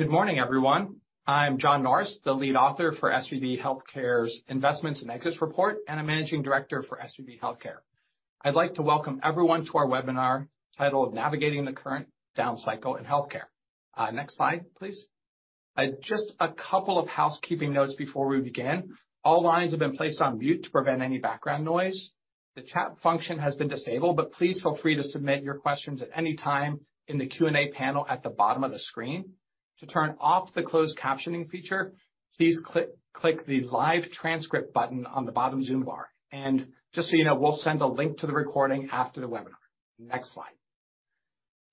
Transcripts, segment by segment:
Good morning, everyone. I'm Jonathan Norris, the lead author for SVB Healthcare's Investments and Exits Report, and I'm managing director for SVB Healthcare. I'd like to welcome everyone to our webinar titled Navigating the Current: Down Cycle in Healthcare. Next slide, please. Just a couple of housekeeping notes before we begin. All lines have been placed on mute to prevent any background noise. The chat function has been disabled, but please feel free to submit your questions at any time in the Q&A panel at the bottom of the screen. To turn off the closed captioning feature, please click the live transcript button on the bottom Zoom bar. And just so you know, we'll send a link to the recording after the webinar. Next slide.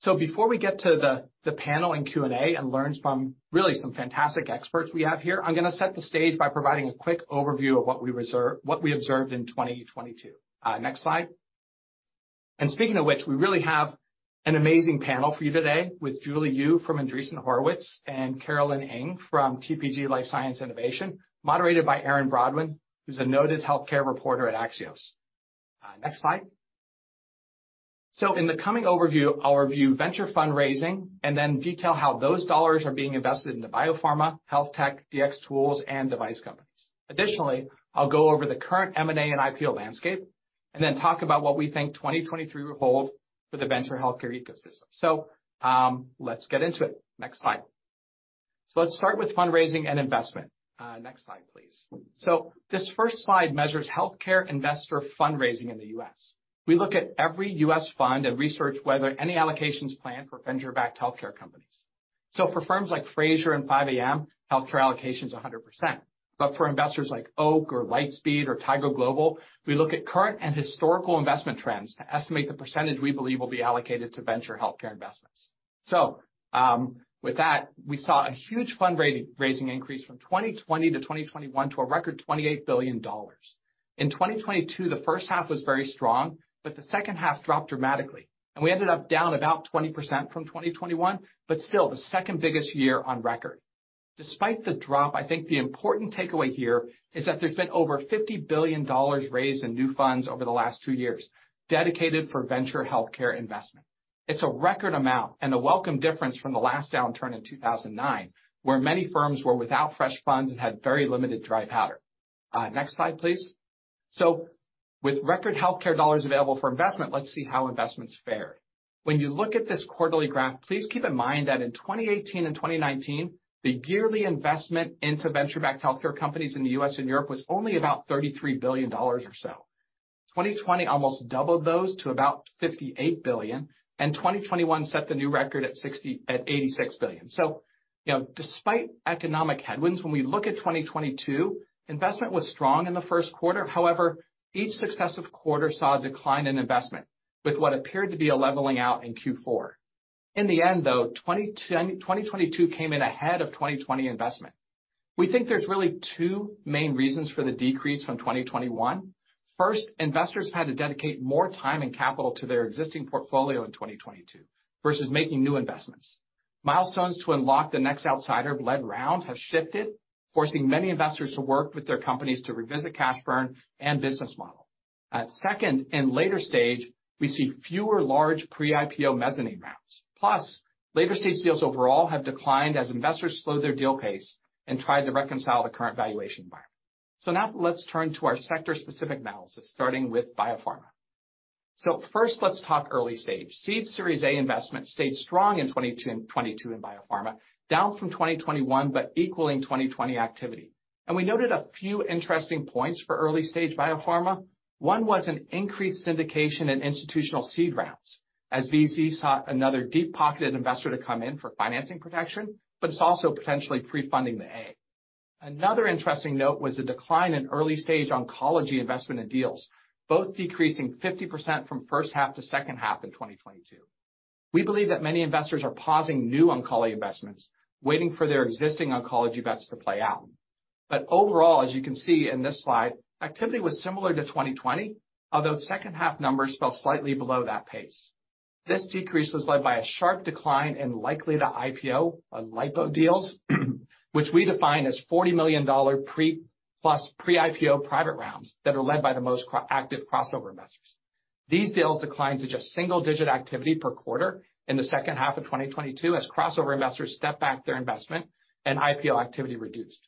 So before we get to the panel and Q&A and learn from really some fantastic experts we have here, I'm going to set the stage by providing a quick overview of what we observed in 2022. Next slide. And speaking of which, we really have an amazing panel for you today with Julie Yoo from Andreessen Horowitz and Carolyn Ng from TPG Life Sciences Innovations, moderated by Erin Brodwin, who's a noted healthcare reporter at Axios. Next slide. So in the coming overview, I'll review venture fundraising and then detail how those dollars are being invested into biopharma, health tech, Dx tools, and device companies. Additionally, I'll go over the current M&A and IPO landscape and then talk about what we think 2023 will hold for the venture healthcare ecosystem. So let's get into it. Next slide. So let's start with fundraising and investment. Next slide, please. This first slide measures healthcare investor fundraising in the US. We look at every US fund and research whether any allocations planned for venture-backed healthcare companies. For firms like Frazier and 5AM, healthcare allocations are 100%. But for investors like Oak or Lightspeed or Tiger Global, we look at current and historical investment trends to estimate the percentage we believe will be allocated to venture healthcare investments. With that, we saw a huge fundraising increase from 2020 to 2021 to a record $28 billion. In 2022, the first half was very strong, but the second half dropped dramatically. And we ended up down about 20% from 2021, but still the second biggest year on record. Despite the drop, I think the important takeaway here is that there's been over $50 billion raised in new funds over the last two years dedicated for venture healthcare investment. It's a record amount and a welcome difference from the last downturn in 2009, where many firms were without fresh funds and had very limited dry powder. Next slide, please. So with record healthcare dollars available for investment, let's see how investments fared. When you look at this quarterly graph, please keep in mind that in 2018 and 2019, the yearly investment into venture-backed healthcare companies in the U.S. and Europe was only about $33 billion or so. 2020 almost doubled those to about $58 billion, and 2021 set the new record at $86 billion. So despite economic headwinds, when we look at 2022, investment was strong in the Q1. However, each successive quarter saw a decline in investment with what appeared to be a leveling out in Q4. In the end, though, 2022 came in ahead of 2020 investment. We think there's really two main reasons for the decrease from 2021. First, investors had to dedicate more time and capital to their existing portfolio in 2022 versus making new investments. Milestones to unlock the next outside or lead round have shifted, forcing many investors to work with their companies to revisit cash burn and business model. Second, in later stage, we see fewer large pre-IPO mezzanine rounds. Plus, later stage deals overall have declined as investors slowed their deal pace and tried to reconcile the current valuation environment, so now let's turn to our sector-specific analysis, starting with biopharma, so first, let's talk early stage. Seed/Series A investment stayed strong in 2022 in biopharma, down from 2021, but equaling 2020 activity, and we noted a few interesting points for early stage biopharma. One was an increased syndication in institutional seed rounds, as VC sought another deep-pocketed investor to come in for financing protection, but it's also potentially pre-funding the A. Another interesting note was a decline in early stage oncology investment in deals, both decreasing 50% from first half to second half in 2022. We believe that many investors are pausing new oncology investments, waiting for their existing oncology bets to play out. But overall, as you can see in this slide, activity was similar to 2020, although second half numbers fell slightly below that pace. This decrease was led by a sharp decline in likely-to-IPO LIPO deals, which we define as $40 million plus pre-IPO private rounds that are led by the most active crossover investors. These deals declined to just single-digit activity per quarter in the second half of 2022 as crossover investors stepped back their investment and IPO activity reduced.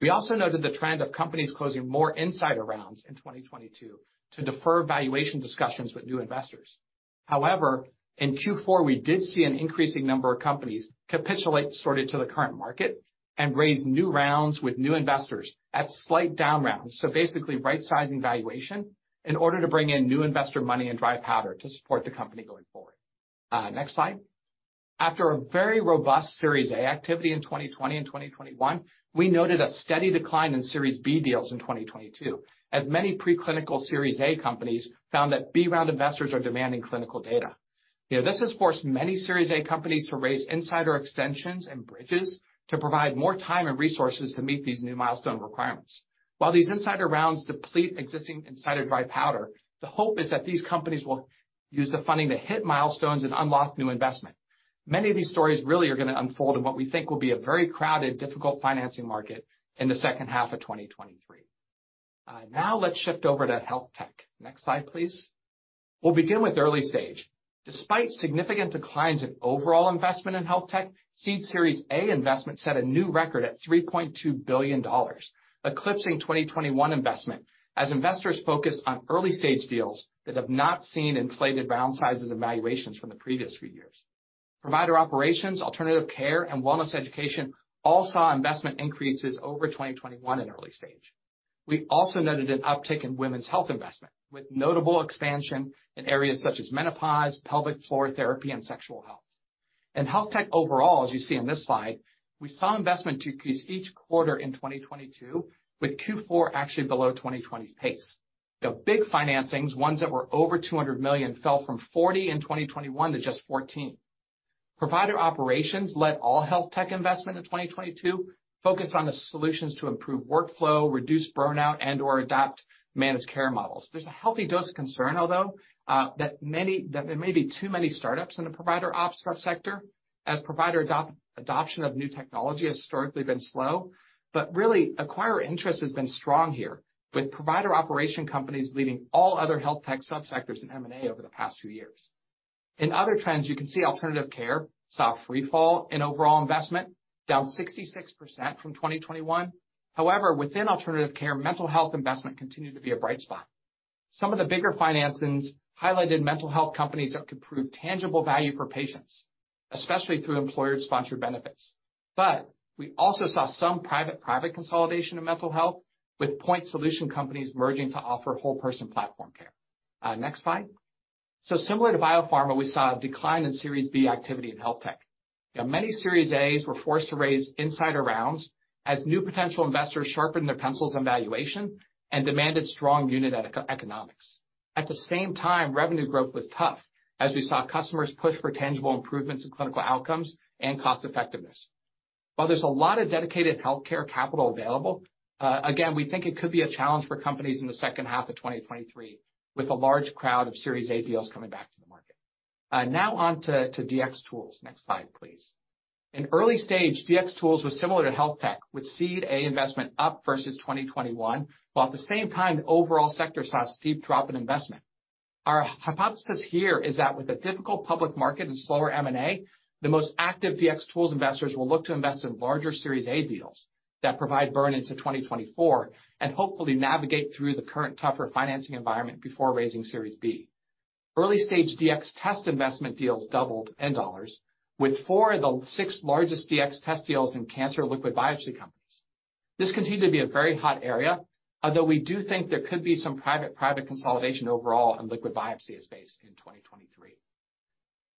We also noted the trend of companies closing more insider rounds in 2022 to defer valuation discussions with new investors. However, in Q4, we did see an increasing number of companies capitulated, sort of, to the current market and raise new rounds with new investors at slight down rounds, so basically right-sizing valuation in order to bring in new investor money and dry powder to support the company going forward. Next slide. After a very robust Series A activity in 2020 and 2021, we noted a steady decline in Series B deals in 2022, as many preclinical Series A companies found that B round investors are demanding clinical data. This has forced many Series A companies to raise insider extensions and bridges to provide more time and resources to meet these new milestone requirements. While these insider rounds deplete existing insider dry powder, the hope is that these companies will use the funding to hit milestones and unlock new investment. Many of these stories really are going to unfold in what we think will be a very crowded, difficult financing market in the second half of 2023. Now let's shift over to health tech. Next slide, please. We'll begin with early stage. Despite significant declines in overall investment in health tech, Seed/Series A investment set a new record at $3.2 billion, eclipsing 2021 investment as investors focused on early stage deals that have not seen inflated round sizes and valuations from the previous few years. Provider operations, alternative care, and wellness education all saw investment increases over 2021 in early stage. We also noted an uptick in women's health investment with notable expansion in areas such as menopause, pelvic floor therapy, and sexual health. In health tech overall, as you see in this slide, we saw investment decrease each quarter in 2022, with Q4 actually below 2020's pace. The big financings, ones that were over $200 million, fell from $40 million in 2021 to just $14 million. Provider operations led all health tech investment in 2022, focused on the solutions to improve workflow, reduce burnout, and/or adopt managed care models. There's a healthy dose of concern although that there may be too many startups in the provider ops subsector, as provider adoption of new technology has historically been slow. But really, acquirer interest has been strong here, with provider operations companies leading all other health tech subsectors in M&A over the past few years. In other trends, you can see alternative care saw a free fall in overall investment, down 66% from 2021. However, within alternative care, mental health investment continued to be a bright spot. Some of the bigger financings highlighted mental health companies that could prove tangible value for patients, especially through employer-sponsored benefits. But we also saw some private-private consolidation of mental health, with point solution companies merging to offer whole-person platform care. Next slide. So similar to biopharma, we saw a decline in Series B activity in health tech. Many Series A's were forced to raise insider rounds as new potential investors sharpened their pencils on valuation and demanded strong unit economics. At the same time, revenue growth was tough, as we saw customers push for tangible improvements in clinical outcomes and cost effectiveness. While there's a lot of dedicated healthcare capital available, again, we think it could be a challenge for companies in the second half of 2023, with a large crowd of Series A deals coming back to the market. Now on to Dx tools. Next slide, please. In early stage, Dx tools was similar to health tech, with Seed A investment up versus 2021, while at the same time, the overall sector saw a steep drop in investment. Our hypothesis here is that with a difficult public market and slower M&A, the most active Dx tools investors will look to invest in larger Series A deals that provide burn into 2024 and hopefully navigate through the current tougher financing environment before raising Series B. Early stage Dx test investment deals doubled in dollars, with four of the six largest Dx test deals in cancer liquid biopsy companies. This continued to be a very hot area, although we do think there could be some private-private consolidation overall in liquid biopsy space in 2023.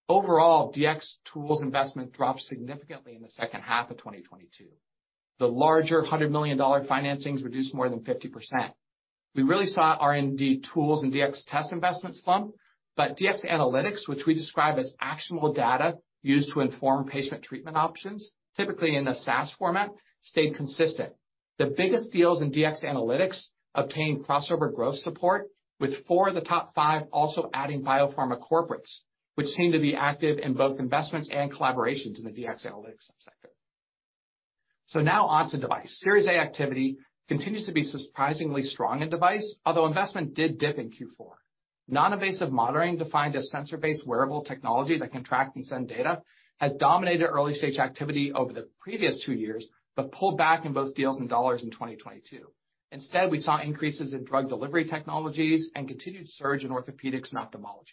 Overall, Dx tools investment dropped significantly in the second half of 2022. The larger $100 million financings reduced more than 50%. We really saw R&D tools and Dx test investment slump, but Dx analytics, which we describe as actionable data used to inform patient treatment options, typically in a SaaS format, stayed consistent. The biggest deals in Dx analytics obtained crossover growth support, with four of the top five also adding biopharma corporates, which seem to be active in both investments and collaborations in the Dx analytics subsector. So now on to device. Series A activity continues to be surprisingly strong in device, although investment did dip in Q4. Non-invasive monitoring, defined as sensor-based wearable technology that can track and send data, has dominated early stage activity over the previous two years, but pulled back in both deals and dollars in 2022. Instead, we saw increases in drug delivery technologies and continued surge in orthopedics and ophthalmology.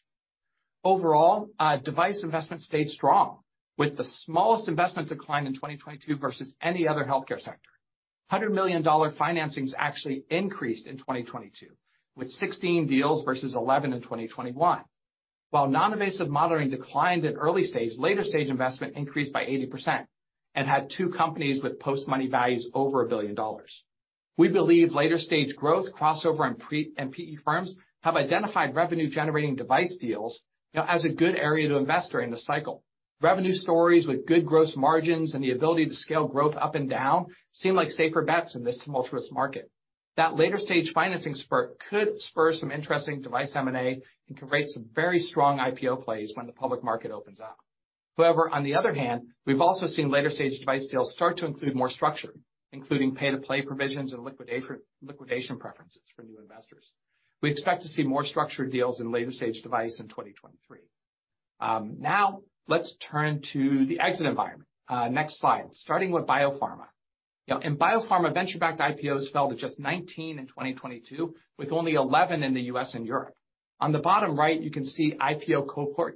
Overall, device investment stayed strong, with the smallest investment decline in 2022 versus any other healthcare sector. $100 million financings actually increased in 2022, with 16 deals versus 11 in 2021. While non-invasive monitoring declined in early stage, later stage investment increased by 80% and had two companies with post-money values over a billion dollars. We believe later stage growth, crossover, and PE firms have identified revenue-generating device deals as a good area to invest during the cycle. Revenue stories with good gross margins and the ability to scale growth up and down seem like safer bets in this tumultuous market. That later stage financing spurt could spur some interesting device M&A and create some very strong IPO plays when the public market opens up. However, on the other hand, we've also seen later stage device deals start to include more structure, including pay-to-play provisions and liquidation preferences for new investors. We expect to see more structured deals in later stage device in 2023. Now let's turn to the exit environment. Next slide, starting with Biopharma. In Biopharma, venture-backed IPOs fell to just 19 in 2022, with only 11 in the U.S. and Europe. On the bottom right, you can see IPO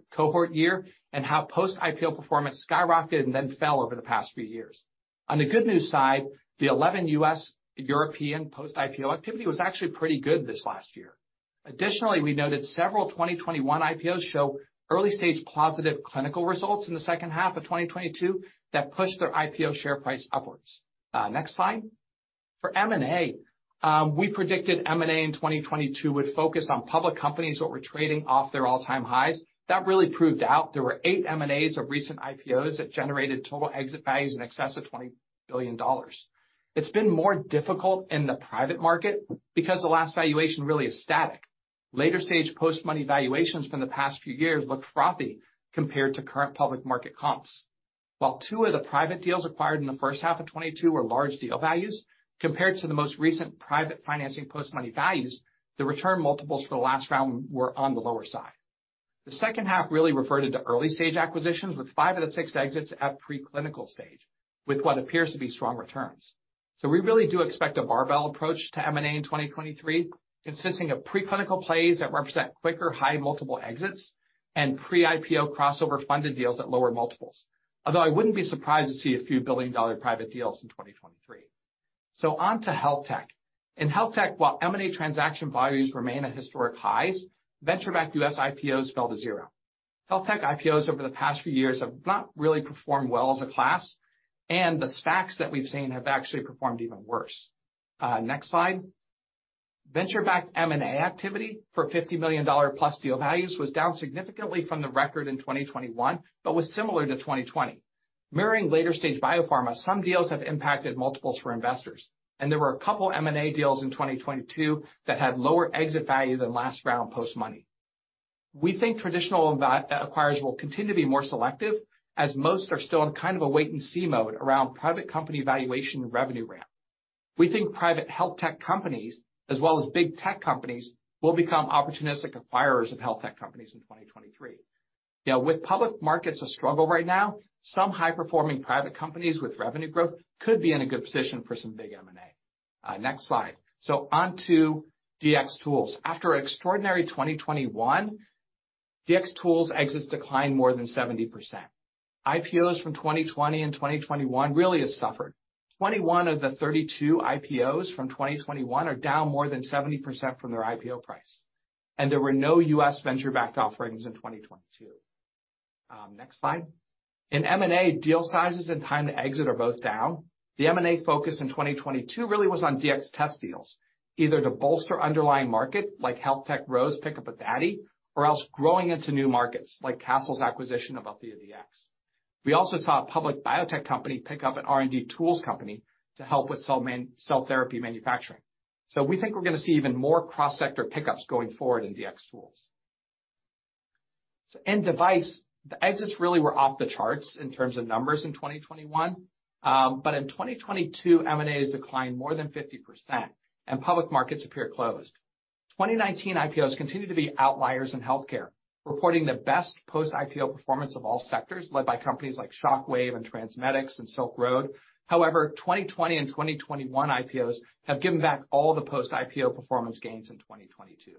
cohort year and how post-IPO performance skyrocketed and then fell over the past few years. On the good news side, the U.S. and European post-IPO activity was actually pretty good this last year. Additionally, we noted several 2021 IPOs show early stage positive clinical results in the second half of 2022 that pushed their IPO share price upwards. Next slide. For M&A, we predicted M&A in 2022 would focus on public companies that were trading off their all-time highs. That really proved out. There were eight M&As of recent IPOs that generated total exit values in excess of $20 billion. It's been more difficult in the private market because the last valuation really is static. Later stage post-money valuations from the past few years looked frothy compared to current public market comps. While two of the private deals acquired in the first half of 2022 were large deal values, compared to the most recent private financing post-money values, the return multiples for the last round were on the lower side. The second half really reverted to early stage acquisitions, with five of the six exits at preclinical stage, with what appears to be strong returns. So we really do expect a barbell approach to M&A in 2023, consisting of preclinical plays that represent quicker high multiple exits and pre-IPO crossover funded deals at lower multiples, although I wouldn't be surprised to see a few billion-dollar private deals in 2023. So on to health tech. In health tech, while M&A transaction volumes remain at historic highs, venture-backed U.S. IPOs fell to zero. Health tech IPOs over the past few years have not really performed well as a class, and the SPACs that we've seen have actually performed even worse. Next slide. Venture-backed M&A activity for $50 million plus deal values was down significantly from the record in 2021, but was similar to 2020. Mirroring later stage biopharma, some deals have impacted multiples for investors, and there were a couple of M&A deals in 2022 that had lower exit value than last round post-money. We think traditional acquirers will continue to be more selective as most are still in kind of a wait-and-see mode around private company valuation and revenue ramp. We think private health tech companies, as well as big tech companies, will become opportunistic acquirers of health tech companies in 2023. Now, with public markets a struggle right now, some high-performing private companies with revenue growth could be in a good position for some big M&A. Next slide. So on to Dx tools. After an extraordinary 2021, Dx tools exits declined more than 70%. IPOs from 2020 and 2021 really have suffered. 21 of the 32 IPOs from 2021 are down more than 70% from their IPO price. And there were no US venture-backed offerings in 2022. Next slide. In M&A, deal sizes and time to exit are both down. The M&A focus in 2022 really was on Dx test deals, either to bolster underlying markets like health tech Ro pickup at Dadi, or else growing into new markets like Castle's acquisition of AltheaDx. We also saw a public biotech company pick up an R&D tools company to help with cell therapy manufacturing. We think we're going to see even more cross-sector pickups going forward in Dx tools. In device, the exits really were off the charts in terms of numbers in 2021, but in 2022, M&As declined more than 50%, and public markets appear closed. 2019 IPOs continue to be outliers in healthcare, reporting the best post-IPO performance of all sectors led by companies like Shockwave and TransMedics and Silk Road. However, 2020 and 2021 IPOs have given back all the post-IPO performance gains in 2022.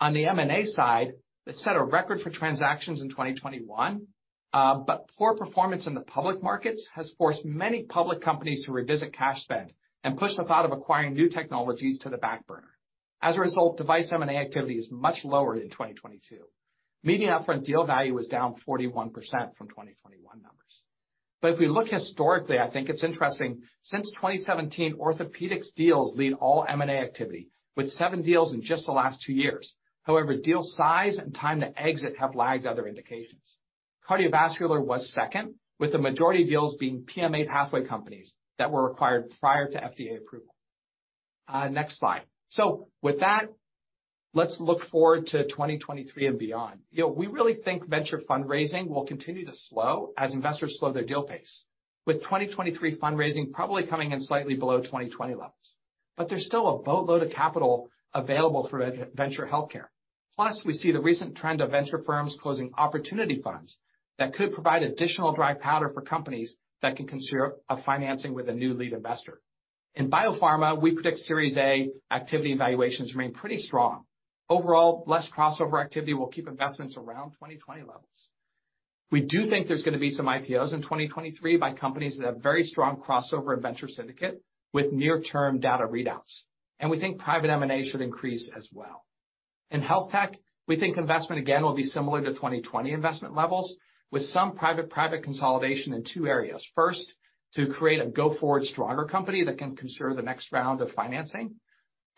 On the M&A side, it set a record for transactions in 2021, but poor performance in the public markets has forced many public companies to revisit cash spend and push the thought of acquiring new technologies to the back burner. As a result, device M&A activity is much lower in 2022. Median upfront deal value was down 41% from 2021 numbers. But if we look historically, I think it's interesting. Since 2017, orthopedics deals lead all M&A activity, with seven deals in just the last two years. However, deal size and time to exit have lagged other indications. Cardiovascular was second, with the majority of deals being PMA pathway companies that were acquired prior to FDA approval. Next slide. So with that, let's look forward to 2023 and beyond. We really think venture fundraising will continue to slow as investors slow their deal pace, with 2023 fundraising probably coming in slightly below 2020 levels. But there's still a boatload of capital available for venture healthcare. Plus, we see the recent trend of venture firms closing opportunity funds that could provide additional dry powder for companies that can consider financing with a new lead investor. In biopharma, we predict Series A activity and valuations remain pretty strong. Overall, less crossover activity will keep investments around 2020 levels. We do think there's going to be some IPOs in 2023 by companies that have very strong crossover and venture syndicate with near-term data readouts. And we think private M&A should increase as well. In health tech, we think investment again will be similar to 2020 investment levels, with some private-private consolidation in two areas. First, to create a go-forward stronger company that can consider the next round of financing.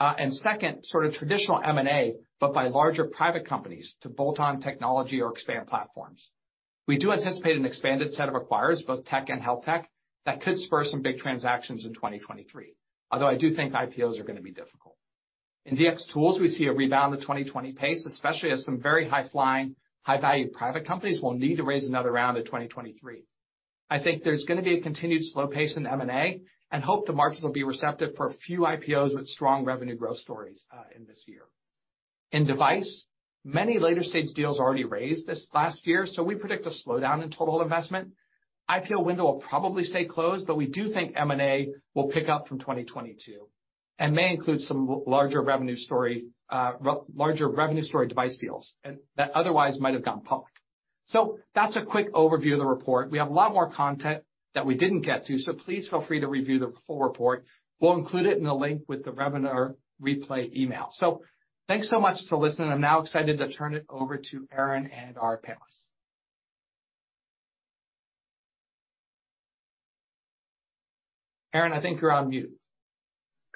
And second, sort of traditional M&A, but by larger private companies to bolt on technology or expand platforms. We do anticipate an expanded set of acquirers, both tech and health tech, that could spur some big transactions in 2023, although I do think IPOs are going to be difficult. In Dx tools, we see a rebound to 2020 pace, especially as some very high-flying, high-value private companies will need to raise another round in 2023. I think there's going to be a continued slow pace in M&A, and hope the markets will be receptive for a few IPOs with strong revenue growth stories in this year. In device, many later stage deals already raised this last year, so we predict a slowdown in total investment. IPO window will probably stay closed, but we do think M&A will pick up from 2022 and may include some larger revenue story device deals that otherwise might have gone public. So that's a quick overview of the report. We have a lot more content that we didn't get to, so please feel free to review the full report. We'll include it in the link with the webinar replay email. So thanks so much for listening. I'm now excited to turn it over to Erin and our panelists. Erin, I think you're on mute.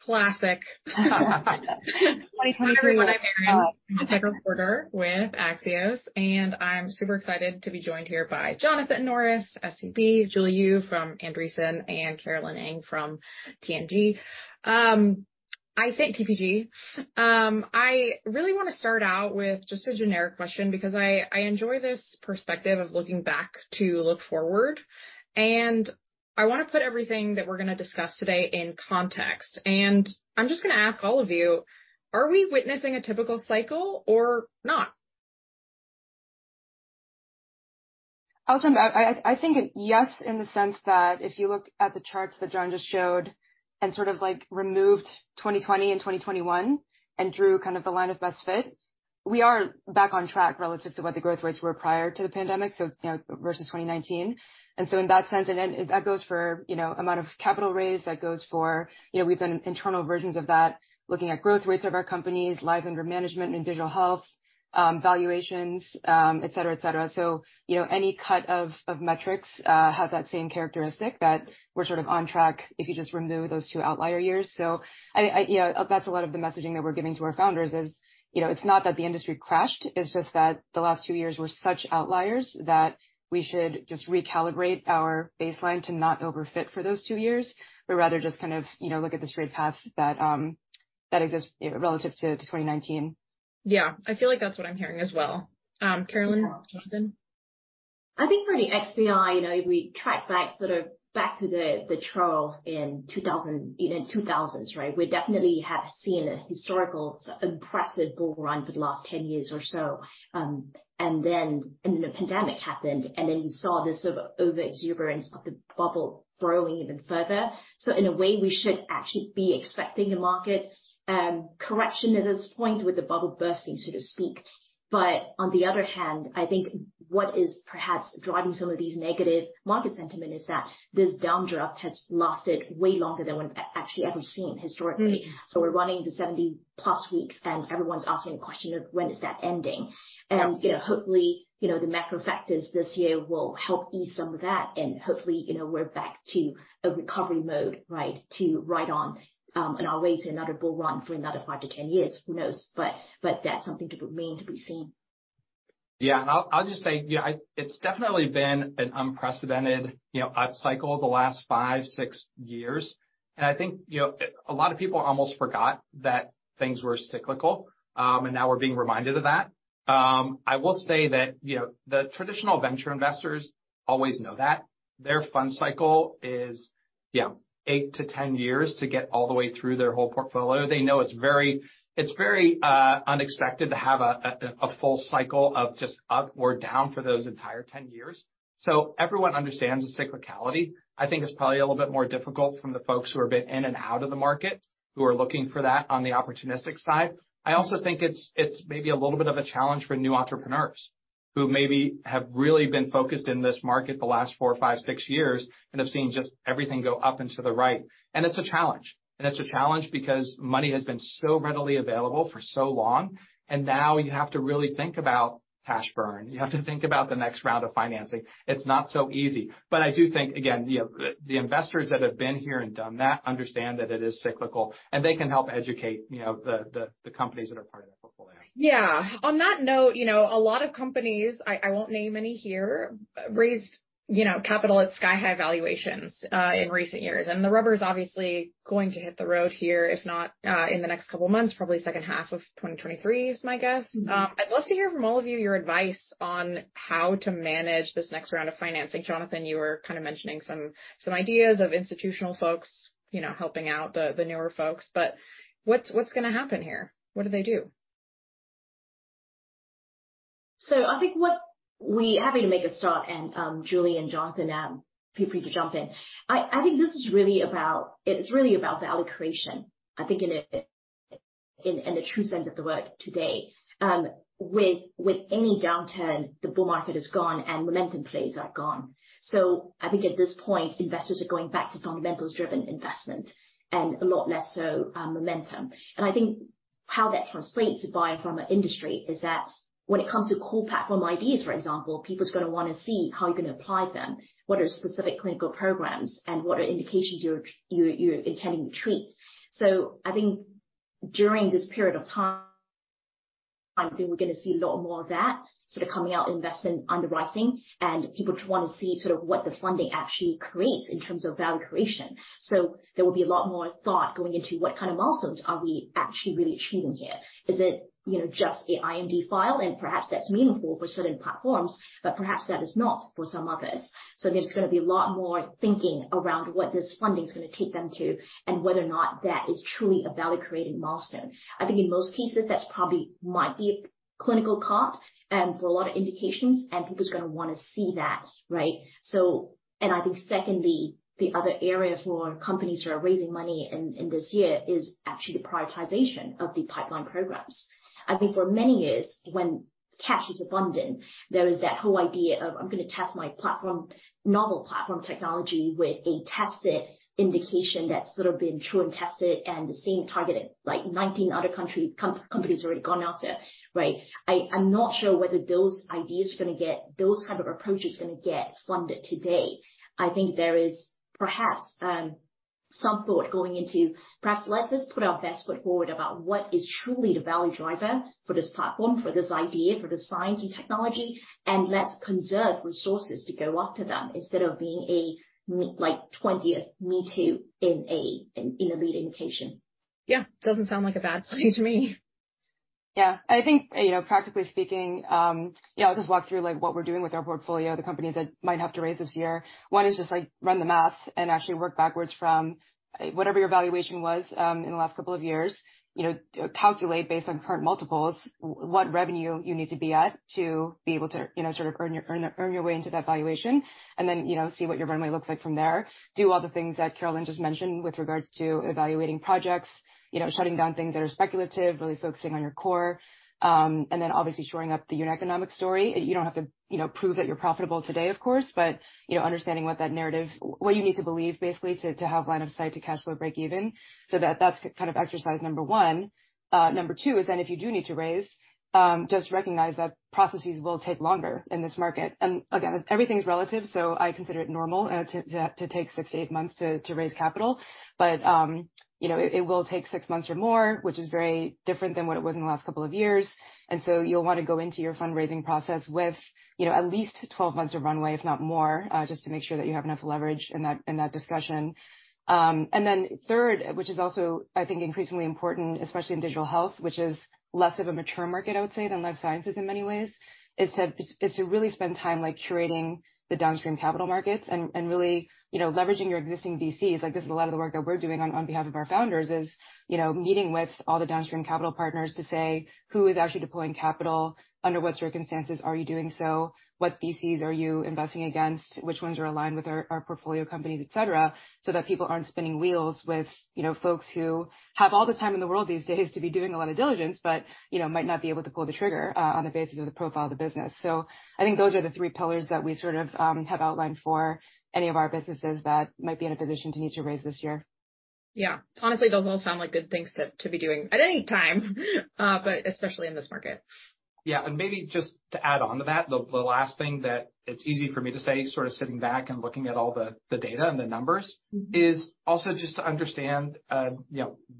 Classic. 2023. Everyone, I'm Erin, a tech reporter with Axios, and I'm super excited to be joined here by Jonathan Norris, SVB, Julie Yoo from Andreessen, and Carolyn Ng from TPG. I really want to start out with just a generic question because I enjoy this perspective of looking back to look forward, and I want to put everything that we're going to discuss today in context. And I'm just going to ask all of you, are we witnessing a typical cycle or not? I'll jump out. I think yes, in the sense that if you look at the charts that John just showed and sort of removed 2020 and 2021 and drew kind of the line of best fit, we are back on track relative to what the growth rates were prior to the pandemic versus 2019. And so in that sense, and that goes for the amount of capital raise, we've done internal versions of that looking at growth rates of our companies, lives under management and digital health, valuations, et cetera, et cetera. So any cut of metrics has that same characteristic that we're sort of on track if you just remove those two outlier years. So that's a lot of the messaging that we're giving to our founders is it's not that the industry crashed, it's just that the last two years were such outliers that we should just recalibrate our baseline to not overfit for those two years, but rather just kind of look at the straight path that exists relative to 2019. Yeah, I feel like that's what I'm hearing as well. Carolyn, Jonathan? I think for the XBI, if we track back sort of to the trough in the 2000s, right, we definitely have seen a historical impressive bull run for the last 10 years or so. And then the pandemic happened, and then we saw this over-exuberance of the bubble growing even further. So in a way, we should actually be expecting a market correction at this point with the bubble bursting, so to speak. But on the other hand, I think what is perhaps driving some of these negative market sentiment is that this down drop has lasted way longer than we've actually ever seen historically. So we're running the 70-plus weeks, and everyone's asking the question of when is that ending? And hopefully, the macro factors this year will help ease some of that, and hopefully, we're back to a recovery mode, right, to ride on and our way to another bull run for another 5 to 10 years, who knows. But that's something to remain to be seen. Yeah, and I'll just say, it's definitely been an unprecedented up cycle the last five, six years. And I think a lot of people almost forgot that things were cyclical, and now we're being reminded of that. I will say that the traditional venture investors always know that. Their fund cycle is 8-10 years to get all the way through their whole portfolio. They know it's very unexpected to have a full cycle of just up or down for those entire 10 years. So everyone understands the cyclicality. I think it's probably a little bit more difficult from the folks who have been in and out of the market, who are looking for that on the opportunistic side. I also think it's maybe a little bit of a challenge for new entrepreneurs who maybe have really been focused in this market the last four, five, six years and have seen just everything go up and to the right. And it's a challenge. And it's a challenge because money has been so readily available for so long, and now you have to really think about cash burn. You have to think about the next round of financing. It's not so easy. But I do think, again, the investors that have been here and done that understand that it is cyclical, and they can help educate the companies that are part of their portfolio. Yeah. On that note, a lot of companies, I won't name any here, raised capital at sky-high valuations in recent years. And the rubber is obviously going to hit the road here, if not in the next couple of months, probably second half of 2023 is my guess. I'd love to hear from all of you your advice on how to manage this next round of financing. Jonathan, you were kind of mentioning some ideas of institutional folks helping out the newer folks, but what's going to happen here? What do they do? So I think having to make a start, and Julie and Jonathan, feel free to jump in. I think this is really about value creation, I think, in the true sense of the word today. With any downturn, the bull market is gone and momentum plays are gone, so I think at this point, investors are going back to fundamentals-driven investment and a lot less so momentum, and I think how that translates to biopharma industry is that when it comes to core platform ideas, for example, people are going to want to see how you're going to apply them, what are specific clinical programs, and what are indications you're intending to treat, so I think during this period of time, I think we're going to see a lot more of that sort of coming out in investment underwriting, and people want to see sort of what the funding actually creates in terms of value creation. So there will be a lot more thought going into what kind of milestones are we actually really achieving here. Is it just an IND file, and perhaps that's meaningful for certain platforms, but perhaps that is not for some others? So there's going to be a lot more thinking around what this funding is going to take them to and whether or not that is truly a value-creating milestone. I think in most cases, that probably might be a clinical cut for a lot of indications, and people are going to want to see that, right? And I think secondly, the other area for companies who are raising money in this year is actually the prioritization of the pipeline programs. I think for many years, when cash is abundant, there is that whole idea of, "I'm going to test my novel platform technology with a tested indication that's sort of been tried and tested and the same targeted like 19 other countries' companies already gone after," right? I'm not sure whether those ideas are going to get those types of approaches going to get funded today. I think there is perhaps some thought going into, "Perhaps let's just put our best foot forward about what is truly the value driver for this platform, for this idea, for the science and technology, and let's conserve resources to go after them instead of being a 20th me-too in a lead indication. " Yeah, doesn't sound like a bad plan to me. Yeah. I think practically speaking, I'll just walk through what we're doing with our portfolio, the companies that might have to raise this year. One is just run the math and actually work backwards from whatever your valuation was in the last couple of years, calculate based on current multiples, what revenue you need to be at to be able to sort of earn your way into that valuation, and then see what your runway looks like from there. Do all the things that Carolyn just mentioned with regards to evaluating projects, shutting down things that are speculative, really focusing on your core, and then obviously shoring up the unit economics story. You don't have to prove that you're profitable today, of course, but understanding what that narrative, what you need to believe basically to have line of sight to cash flow breakeven, so that's kind of exercise number one. Number two is then if you do need to raise, just recognize that processes will take longer in this market. And again, everything's relative, so I consider it normal to take six to eight months to raise capital, but it will take six months or more, which is very different than what it was in the last couple of years. And so you'll want to go into your fundraising process with at least 12 months of runway, if not more, just to make sure that you have enough leverage in that discussion. And then third, which is also, I think, increasingly important, especially in digital health, which is less of a mature market, I would say, than life sciences in many ways, is to really spend time curating the downstream capital markets and really leveraging your existing VCs. This is a lot of the work that we're doing on behalf of our founders is meeting with all the downstream capital partners to say, "Who is actually deploying capital? Under what circumstances are you doing so? What VCs are you investing against? Which ones are aligned with our portfolio companies?" et cetera, so that people aren't spinning wheels with folks who have all the time in the world these days to be doing a lot of diligence but might not be able to pull the trigger on the basis of the profile of the business. So I think those are the three pillars that we sort of have outlined for any of our businesses that might be in a position to need to raise this year. Yeah. Honestly, those all sound like good things to be doing at any time, but especially in this market. Yeah. Maybe just to add on to that, the last thing that it's easy for me to say, sort of sitting back and looking at all the data and the numbers, is also just to understand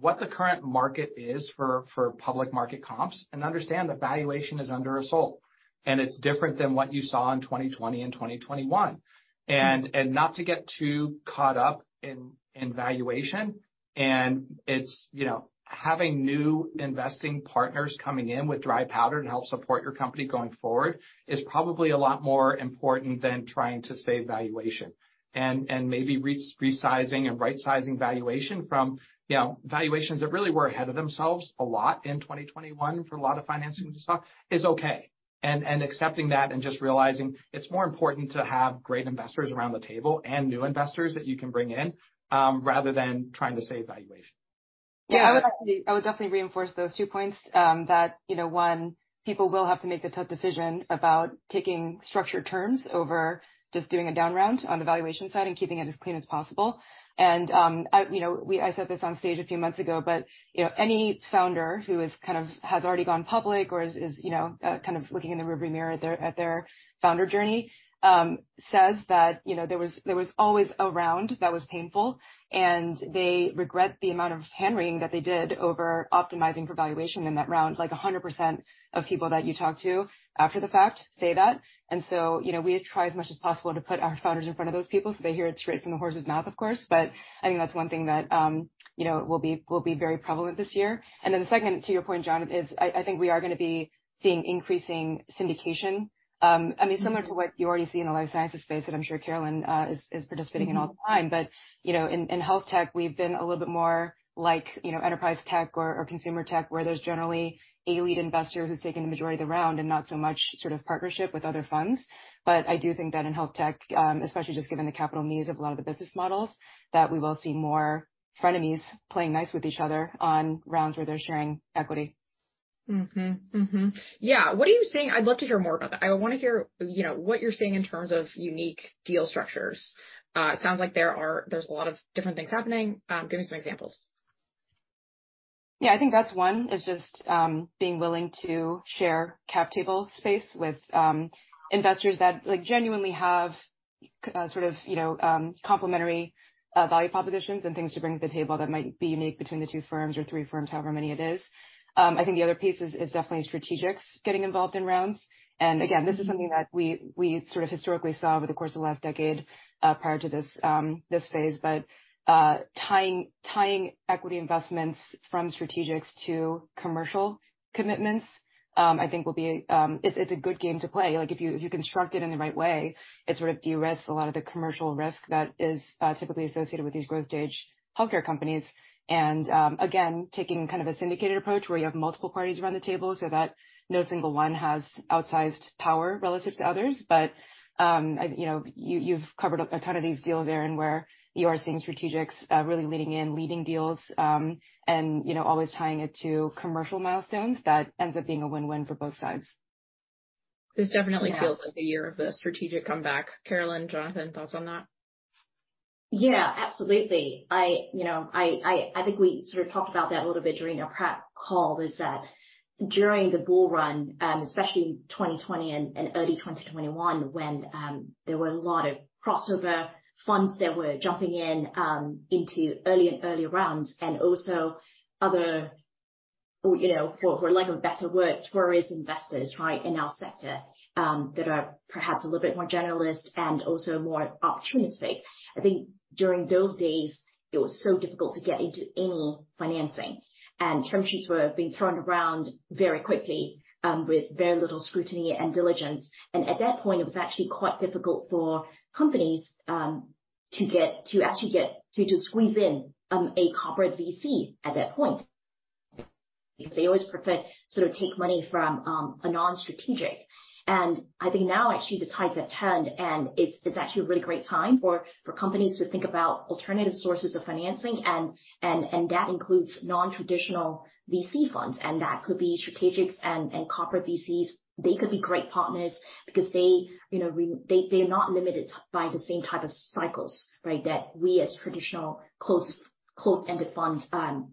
what the current market is for public market comps and understand that valuation is under assault and it's different than what you saw in 2020 and 2021. Not to get too caught up in valuation and having new investing partners coming in with dry powder to help support your company going forward is probably a lot more important than trying to save valuation. Maybe resizing and right-sizing valuation from valuations that really were ahead of themselves a lot in 2021 for a lot of financing we saw is okay. And accepting that and just realizing it's more important to have great investors around the table and new investors that you can bring in rather than trying to save valuation. Yeah, I would definitely reinforce those two points that, one, people will have to make the tough decision about taking structured terms over just doing a down round on the valuation side and keeping it as clean as possible. And I said this on stage a few months ago, but any founder who has already gone public or is kind of looking in the rearview mirror at their founder journey says that there was always a round that was painful, and they regret the amount of hand-wringing that they did over optimizing for valuation in that round. Like 100% of people that you talk to after the fact say that. And so we try as much as possible to put our founders in front of those people so they hear it straight from the horse's mouth, of course. But I think that's one thing that will be very prevalent this year. And then the second, to your point, John, is I think we are going to be seeing increasing syndication. I mean, similar to what you already see in the life sciences space that I'm sure Carolyn is participating in all the time. But in health tech, we've been a little bit more like enterprise tech or consumer tech where there's generally a lead investor who's taking the majority of the round and not so much sort of partnership with other funds. But I do think that in health tech, especially just given the capital needs of a lot of the business models, that we will see more frenemies playing nice with each other on rounds where they're sharing equity. Yeah. What are you seeing? I'd love to hear more about that. I want to hear what you're seeing in terms of unique deal structures. It sounds like there's a lot of different things happening. Give me some examples. Yeah, I think that's one is just being willing to share cap table space with investors that genuinely have sort of complementary value propositions and things to bring to the table that might be unique between the two firms or three firms, however many it is. I think the other piece is definitely strategics getting involved in rounds. Again, this is something that we sort of historically saw over the course of the last decade prior to this phase, but tying equity investments from strategics to commercial commitments, I think will be. It's a good game to play. If you construct it in the right way, it sort of de-risks a lot of the commercial risk that is typically associated with these growth-stage healthcare companies. Again, taking kind of a syndicated approach where you have multiple parties around the table so that no single one has outsized power relative to others. But you've covered a ton of these deals, Erin, where you are seeing strategics really leaning in, leading deals, and always tying it to commercial milestones that ends up being a win-win for both sides. This definitely feels like a year of a strategic comeback. Carolyn, Jonathan, thoughts on that? Yeah, absolutely. I think we sort of talked about that a little bit during our prep call, is that during the bull run, especially in 2020 and early 2021, when there were a lot of crossover funds that were jumping into early and early rounds and also other, for lack of better word, tourist investors, right, in our sector that are perhaps a little bit more generalist and also more opportunistic. I think during those days, it was so difficult to get into any financing. And term sheets were being thrown around very quickly with very little scrutiny and diligence. And at that point, it was actually quite difficult for companies to actually get to squeeze in a corporate VC at that point because they always preferred to sort of take money from a non-strategic. I think now actually the tides have turned, and it's actually a really great time for companies to think about alternative sources of financing, and that includes non-traditional VC funds. And that could be strategics and corporate VCs. They could be great partners because they are not limited by the same type of cycles, right, that we as traditional closed-ended funds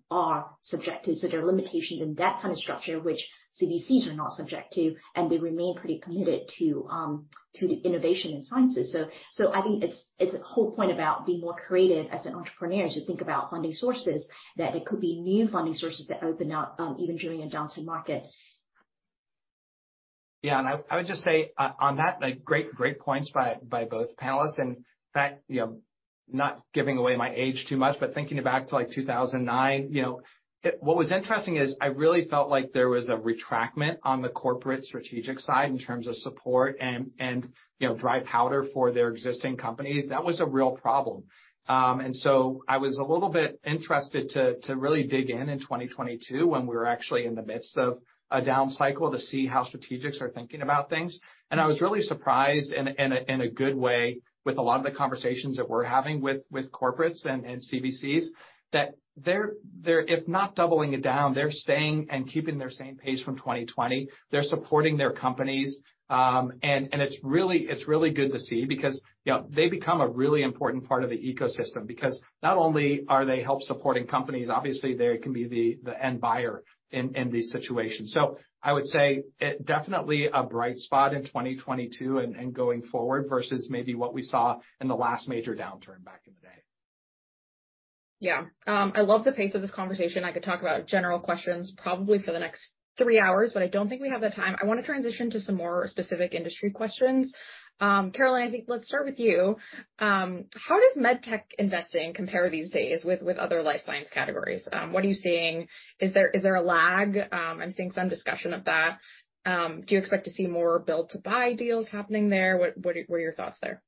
are subject to. So there are limitations in that kind of structure, which CVCs are not subject to, and they remain pretty committed to the innovation in sciences. So I think it's a whole point about being more creative as an entrepreneur to think about funding sources, that it could be new funding sources that open up even during a downturn market. Yeah. And I would just say on that, great points by both panelists. In fact, not giving away my age too much, but thinking back to 2009, what was interesting is I really felt like there was a retrenchment on the corporate strategic side in terms of support and dry powder for their existing companies. That was a real problem. I was a little bit interested to really dig in in 2022 when we were actually in the midst of a down cycle to see how strategics are thinking about things. I was really surprised in a good way with a lot of the conversations that we're having with corporates and CVCs that they're, if not doubling down, staying and keeping their same pace from 2020. They're supporting their companies. It's really good to see because they become a really important part of the ecosystem because not only are they help supporting companies, obviously. They can be the end buyer in these situations. So I would say definitely a bright spot in 2022 and going forward versus maybe what we saw in the last major downturn back in the day. Yeah. I love the pace of this conversation. I could talk about general questions probably for the next three hours, but I don't think we have the time. I want to transition to some more specific industry questions. Carolyn, I think let's start with you. How does med tech investing compare these days with other life science categories? What are you seeing? Is there a lag? I'm seeing some discussion of that. Do you expect to see more build-to-buy deals happening there? What are your thoughts there?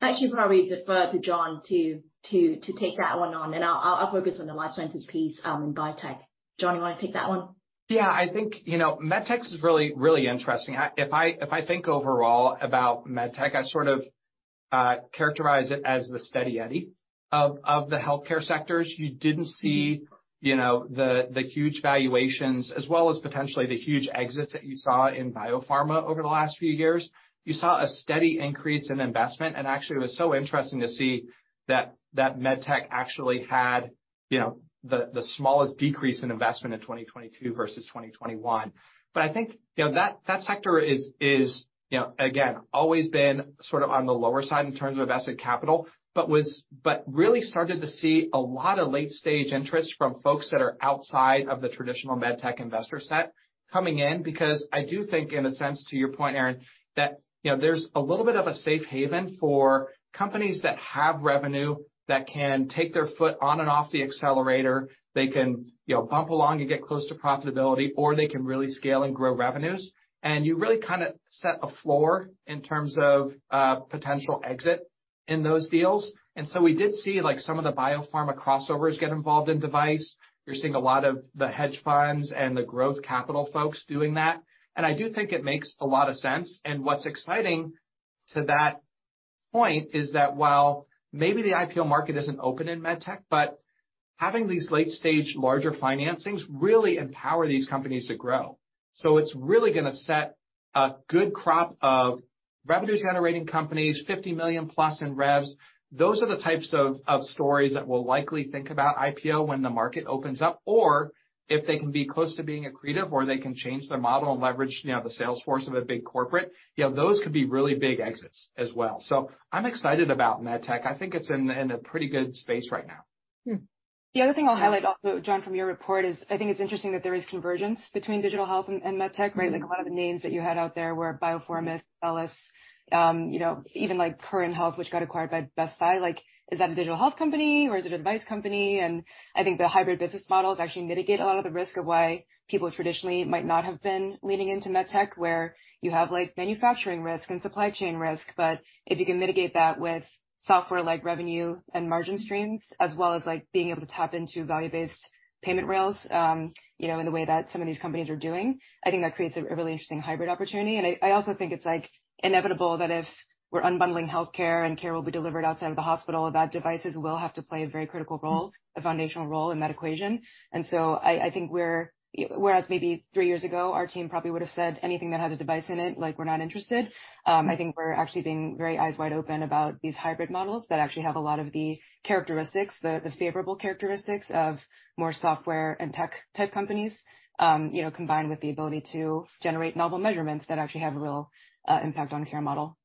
I actually probably defer to John to take that one on, and I'll focus on the life sciences piece in biotech. John, you want to take that one? Yeah. I think med tech is really interesting. If I think overall about med tech, I sort of characterize it as the steady eddy of the healthcare sectors. You didn't see the huge valuations as well as potentially the huge exits that you saw in biopharma over the last few years. You saw a steady increase in investment, and actually, it was so interesting to see that med tech actually had the smallest decrease in investment in 2022 versus 2021. I think that sector is, again, always been sort of on the lower side in terms of invested capital, but really started to see a lot of late-stage interest from folks that are outside of the traditional med tech investor set coming in because I do think, in a sense, to your point, Erin, that there's a little bit of a safe haven for companies that have revenue that can take their foot on and off the accelerator. They can bump along and get close to profitability, or they can really scale and grow revenues. And you really kind of set a floor in terms of potential exit in those deals. And so we did see some of the biopharma crossovers get involved in device. You're seeing a lot of the hedge funds and the growth capital folks doing that. I do think it makes a lot of sense. What's exciting to that point is that while maybe the IPO market isn't open in med tech, but having these late-stage larger financings really empower these companies to grow. So it's really going to set a good crop of revenue-generating companies, 50 million plus in revs. Those are the types of stories that we'll likely think about IPO when the market opens up, or if they can be close to being accretive or they can change their model and leverage the sales force of a big corporate, those could be really big exits as well. So I'm excited about med tech. I think it's in a pretty good space right now. The other thing I'll highlight also, John, from your report is I think it's interesting that there is convergence between digital health and med tech, right? A lot of the names that you had out there were Biofourmis, Medically Home, even Current Health, which got acquired by Best Buy. Is that a digital health company or is it a device company? And I think the hybrid business models actually mitigate a lot of the risk of why people traditionally might not have been leaning into med tech, where you have manufacturing risk and supply chain risk. But if you can mitigate that with software-like revenue and margin streams, as well as being able to tap into value-based payment rails in the way that some of these companies are doing, I think that creates a really interesting hybrid opportunity. And I also think it's inevitable that if we're unbundling healthcare and care will be delivered outside of the hospital, that devices will have to play a very critical role, a foundational role in that equation. And so I think whereas maybe three years ago, our team probably would have said anything that had a device in it, we're not interested. I think we're actually being very eyes wide open about these hybrid models that actually have a lot of the characteristics, the favorable characteristics of more software and tech-type companies combined with the ability to generate novel measurements that actually have a real impact on care model.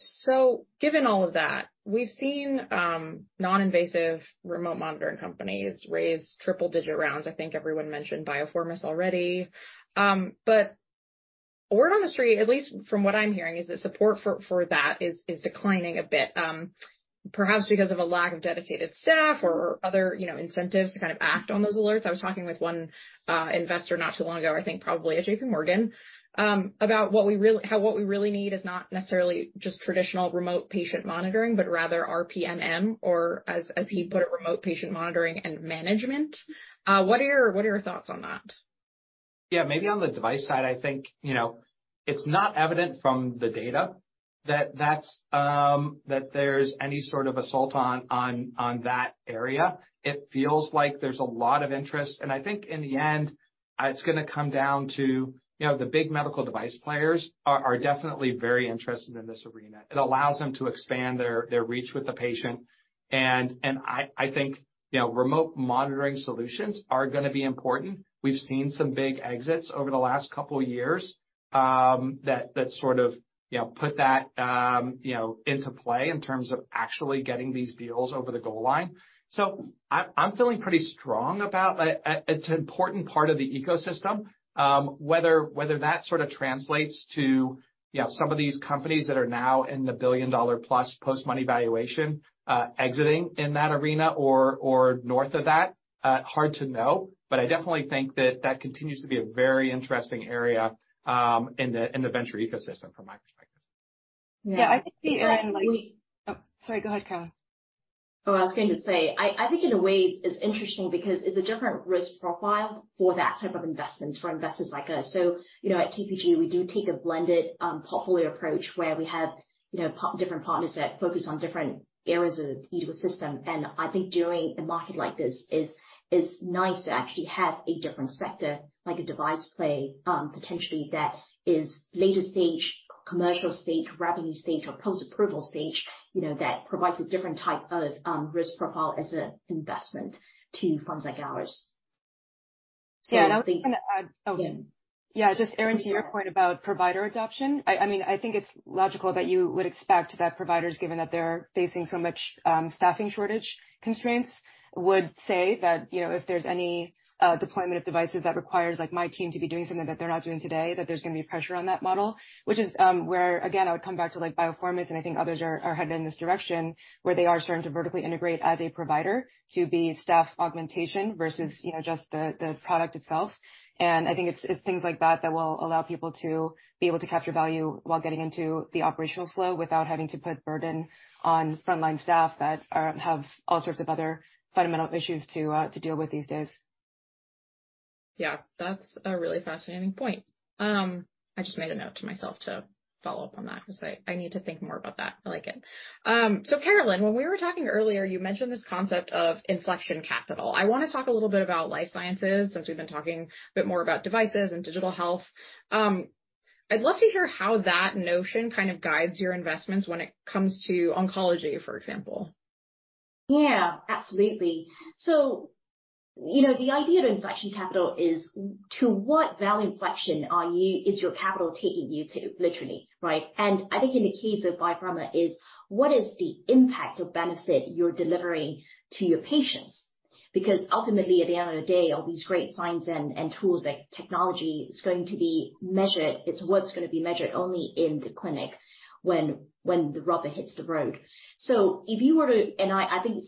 So given all of that, we've seen non-invasive remote monitoring companies raise triple-digit rounds. I think everyone mentioned Biofourmis already. But word on the street, at least from what I'm hearing, is that support for that is declining a bit, perhaps because of a lack of dedicated staff or other incentives to kind of act on those alerts. I was talking with one investor not too long ago. I think probably at JPMorgan, about how what we really need is not necessarily just traditional remote patient monitoring, but rather RPMM, or as he put it, remote patient monitoring and management. What are your thoughts on that? Yeah, maybe on the device side, I think it's not evident from the data that there's any sort of assault on that area. It feels like there's a lot of interest. And I think in the end, it's going to come down to the big medical device players are definitely very interested in this arena. It allows them to expand their reach with the patient. And I think remote monitoring solutions are going to be important. We've seen some big exits over the last couple of years that sort of put that into play in terms of actually getting these deals over the goal line. So, I'm feeling pretty strong about it's an important part of the ecosystem. Whether that sort of translates to some of these companies that are now in the billion-dollar-plus post-money valuation exiting in that arena or north of that, hard to know. But I definitely think that that continues to be a very interesting area in the venture ecosystem from my perspective. Yeah, I think the. Sorry, go ahead, Carolyn. Oh, I was going to say, I think in a way, it's interesting because it's a different risk profile for that type of investments for investors like us. So at TPG, we do take a blended portfolio approach where we have different partners that focus on different areas of the ecosystem. I think during a market like this, it's nice to actually have a different sector, like a device play potentially that is later stage, commercial stage, revenue stage, or post-approval stage that provides a different type of risk profile as an investment to funds like ours. So I think, yeah, just Erin, to your point about provider adoption, I mean, I think it's logical that you would expect that providers, given that they're facing so much staffing shortage constraints, would say that if there's any deployment of devices that requires my team to be doing something that they're not doing today, that there's going to be pressure on that model, which is where, again, I would come back to Biofourmis. And I think others are headed in this direction where they are starting to vertically integrate as a provider to be staff augmentation versus just the product itself. And I think it's things like that that will allow people to be able to capture value while getting into the operational flow without having to put burden on frontline staff that have all sorts of other fundamental issues to deal with these days. Yeah, that's a really fascinating point. I just made a note to myself to follow up on that because I need to think more about that. I like it. So Carolyn, when we were talking earlier, you mentioned this concept of inflection capital. I want to talk a little bit about life sciences since we've been talking a bit more about devices and digital health. I'd love to hear how that notion kind of guides your investments when it comes to oncology, for example. Yeah, absolutely. So the idea of inflection capital is to what value inflection is your capital taking you to, literally, right? And I think in the case of biopharma, what is the impact of benefit you're delivering to your patients? Because ultimately, at the end of the day, all these great science and tools and technology is going to be measured. It's what's going to be measured only in the clinic when the rubber hits the road. So if you were to, and I think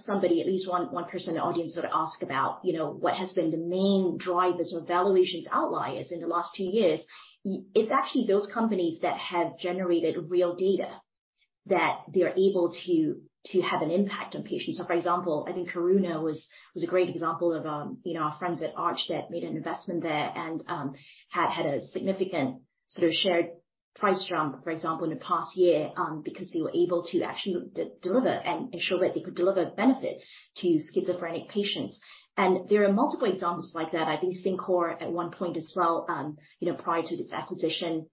somebody, at least one person in the audience sort of asked about what has been the main drivers or valuations outliers in the last two years, it's actually those companies that have generated real data that they're able to have an impact on patients. So for example, I think Karuna was a great example of our friends at ARCH that made an investment there and had a significant sort of share price jump, for example, in the past year because they were able to actually deliver and ensure that they could deliver benefit to schizophrenic patients. And there are multiple examples like that. I think CinCor at one point as well prior to its acquisition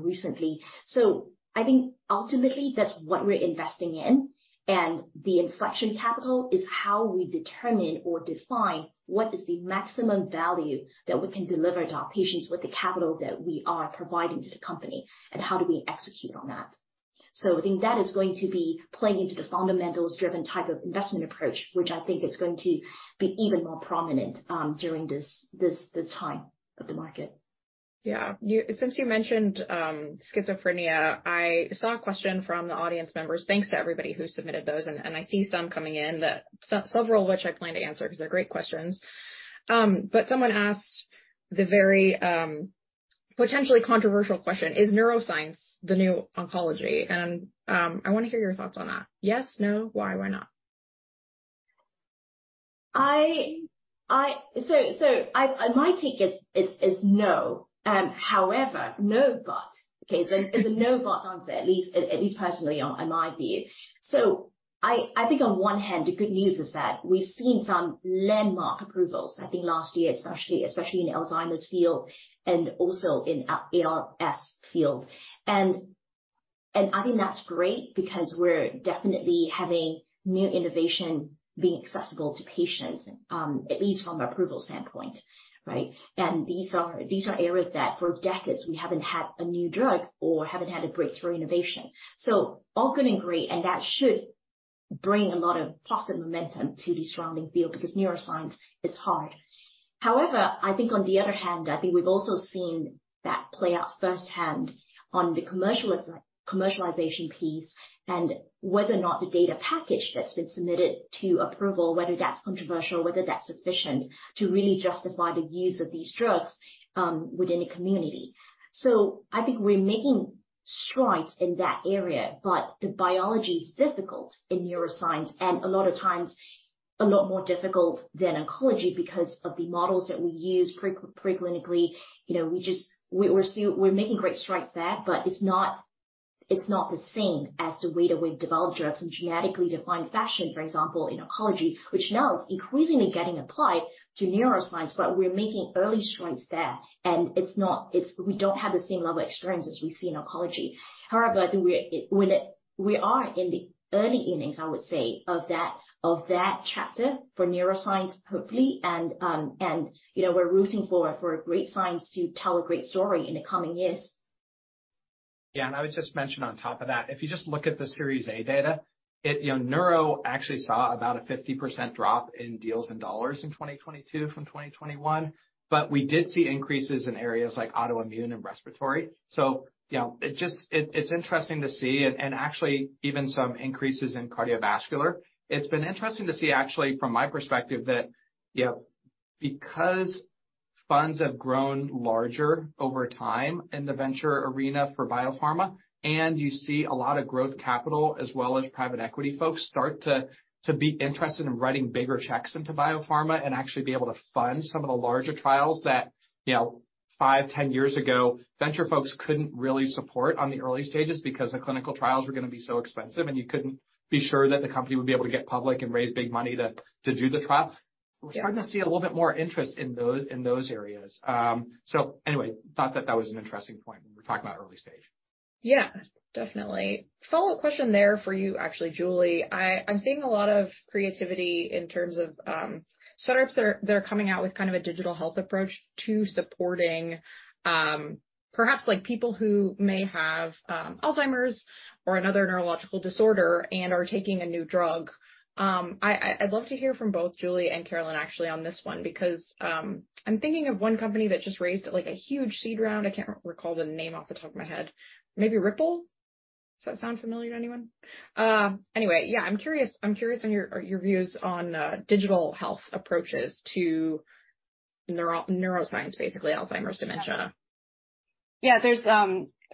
recently. So I think ultimately, that's what we're investing in. And the inflection capital is how we determine or define what is the maximum value that we can deliver to our patients with the capital that we are providing to the company and how do we execute on that. I think that is going to be playing into the fundamentals-driven type of investment approach, which I think is going to be even more prominent during this time of the market. Yeah. Since you mentioned schizophrenia, I saw a question from the audience members. Thanks to everybody who submitted those. And I see some coming in that several of which I plan to answer because they're great questions. But someone asked the very potentially controversial question, is neuroscience the new oncology? And I want to hear your thoughts on that. Yes, no, why, why not? My take is no. However, no but is a no but answer, at least personally in my view. I think on one hand, the good news is that we've seen some landmark approvals, I think last year, especially in Alzheimer's field and also in ALS field. I think that's great because we're definitely having new innovation being accessible to patients, at least from an approval standpoint, right? These are areas that for decades we haven't had a new drug or haven't had a breakthrough innovation. So all good and great. That should bring a lot of positive momentum to the surrounding field because neuroscience is hard. However, I think on the other hand, I think we've also seen that play out firsthand on the commercialization piece and whether or not the data package that's been submitted to approval, whether that's controversial, whether that's sufficient to really justify the use of these drugs within a community. I think we're making strides in that area, but the biology is difficult in neuroscience and a lot of times a lot more difficult than oncology because of the models that we use pre-clinically. We're making great strides there, but it's not the same as the way that we've developed drugs in genetically defined fashion, for example, in oncology, which now is increasingly getting applied to neuroscience, but we're making early strides there. And we don't have the same level of experience as we see in oncology. However, I think we are in the early innings, I would say, of that chapter for neuroscience, hopefully. And we're rooting for great science to tell a great story in the coming years. Yeah. And I would just mention on top of that, if you just look at the Series A data, neuro actually saw about a 50% drop in deals and dollars in 2022 from 2021. But we did see increases in areas like autoimmune and respiratory. So it's interesting to see. And actually, even some increases in cardiovascular. It's been interesting to see, actually, from my perspective, that because funds have grown larger over time in the venture arena for biopharma, and you see a lot of growth capital as well as private equity folks start to be interested in writing bigger checks into biopharma and actually be able to fund some of the larger trials that five, 10 years ago, venture folks couldn't really support on the early stages because the clinical trials were going to be so expensive, and you couldn't be sure that the company would be able to get public and raise big money to do the trial. We're starting to see a little bit more interest in those areas. So anyway, thought that that was an interesting point when we're talking about early stage. Yeah, definitely. Follow-up question there for you, actually, Julie. I'm seeing a lot of creativity in terms of startups that are coming out with kind of a digital health approach to supporting perhaps people who may have Alzheimer's or another neurological disorder and are taking a new drug. I'd love to hear from both Julie and Carolyn, actually, on this one because I'm thinking of one company that just raised a huge seed round. I can't recall the name off the top of my head. Maybe Rippl. Does that sound familiar to anyone? Anyway, yeah, I'm curious on your views on digital health approaches to neuroscience, basically, Alzheimer's, dementia. Yeah,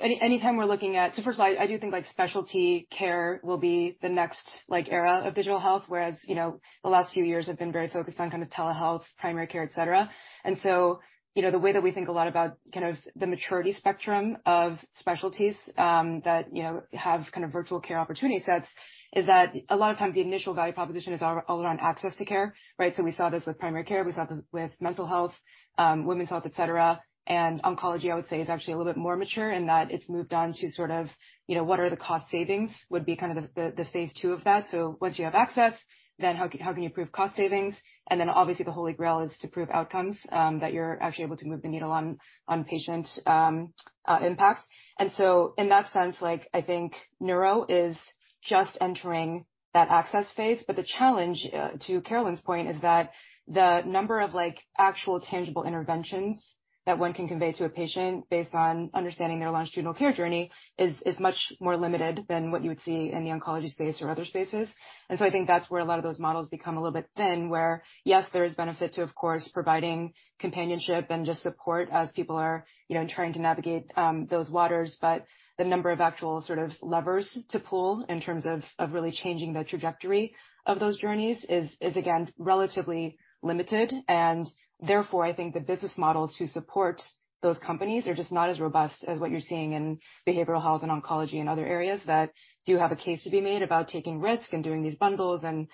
anytime we're looking at so first of all, I do think specialty care will be the next era of digital health, whereas the last few years have been very focused on kind of telehealth, primary care, etc. And so the way that we think a lot about kind of the maturity spectrum of specialties that have kind of virtual care opportunity sets is that a lot of times the initial value proposition is all around access to care, right? So we saw this with primary care. We saw this with mental health, women's health, etc. And oncology, I would say, is actually a little bit more mature in that it's moved on to sort of what are the cost savings would be kind of the Phase II of that. So once you have access, then how can you prove cost savings? And then obviously, the Holy Grail is to prove outcomes that you're actually able to move the needle on patient impact. And so in that sense, I think neuro is just entering that access phase. But the challenge, to Carolyn's point, is that the number of actual tangible interventions that one can convey to a patient based on understanding their longitudinal care journey is much more limited than what you would see in the oncology space or other spaces. And so I think that's where a lot of those models become a little bit thin, where, yes, there is benefit to, of course, providing companionship and just support as people are trying to navigate those waters. But the number of actual sort of levers to pull in terms of really changing the trajectory of those journeys is, again, relatively limited. And therefore, I think the business models to support those companies are just not as robust as what you're seeing in behavioral health and oncology and other areas that do have a case to be made about taking risk and doing these bundles and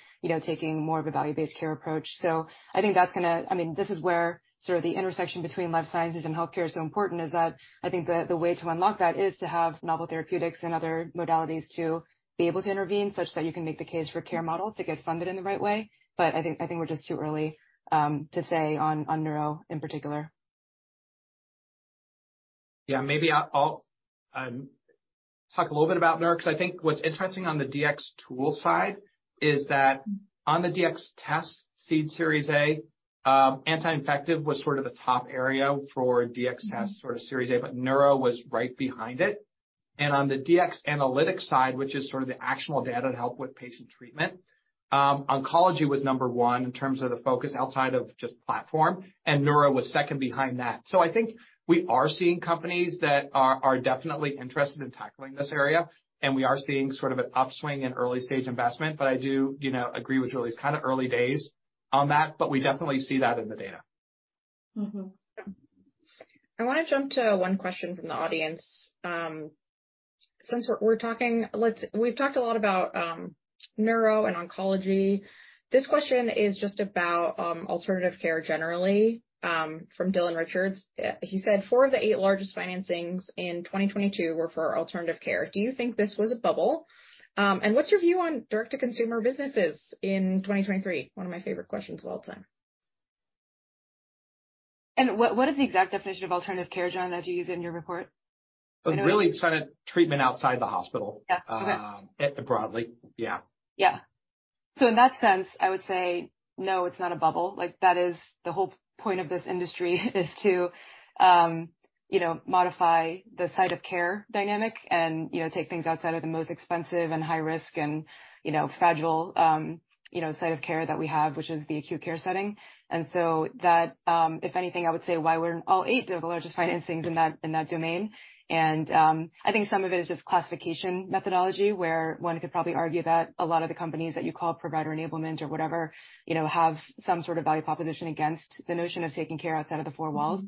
taking more of a value-based care approach. So I think that's going to, I mean, this is where sort of the intersection between life sciences and healthcare is so important is that I think the way to unlock that is to have novel therapeutics and other modalities to be able to intervene such that you can make the case for a care model to get funded in the right way. But I think we're just too early to say on neuro in particular. Yeah, maybe I'll talk a little bit about neuro because I think what's interesting on the Dx tool side is that on the Dx test seed Series A, anti-infective was sort of the top area for Dx test sort of Series A, but neuro was right behind it. And on the Dx analytic side, which is sort of the actionable data to help with patient treatment, oncology was number one in terms of the focus outside of just platform, and neuro was second behind that. So I think we are seeing companies that are definitely interested in tackling this area, and we are seeing sort of an upswing in early-stage investment. But I do agree with Julie's kind of early days on that, but we definitely see that in the data. I want to jump to one question from the audience. Since we're talking, we've talked a lot about neuro and oncology. This question is just about alternative care generally from Dylan Richards. He said four of the eight largest financings in 2022 were for alternative care. Do you think this was a bubble? And what's your view on direct-to-consumer businesses in 2023? One of my favorite questions of all time. And what is the exact definition of alternative care, John, that you use in your report? Really just kind of treatment outside the hospital broadly. Yeah. Yeah. So in that sense, I would say, no, it's not a bubble. That is the whole point of this industry is to modify the site of care dynamic and take things outside of the most expensive and high-risk and fragile site of care that we have, which is the acute care setting. And so that, if anything, I would say why we're all of the eight largest financings in that domain. And I think some of it is just classification methodology where one could probably argue that a lot of the companies that you call provider enablement or whatever have some sort of value proposition against the notion of taking care outside of the four walls.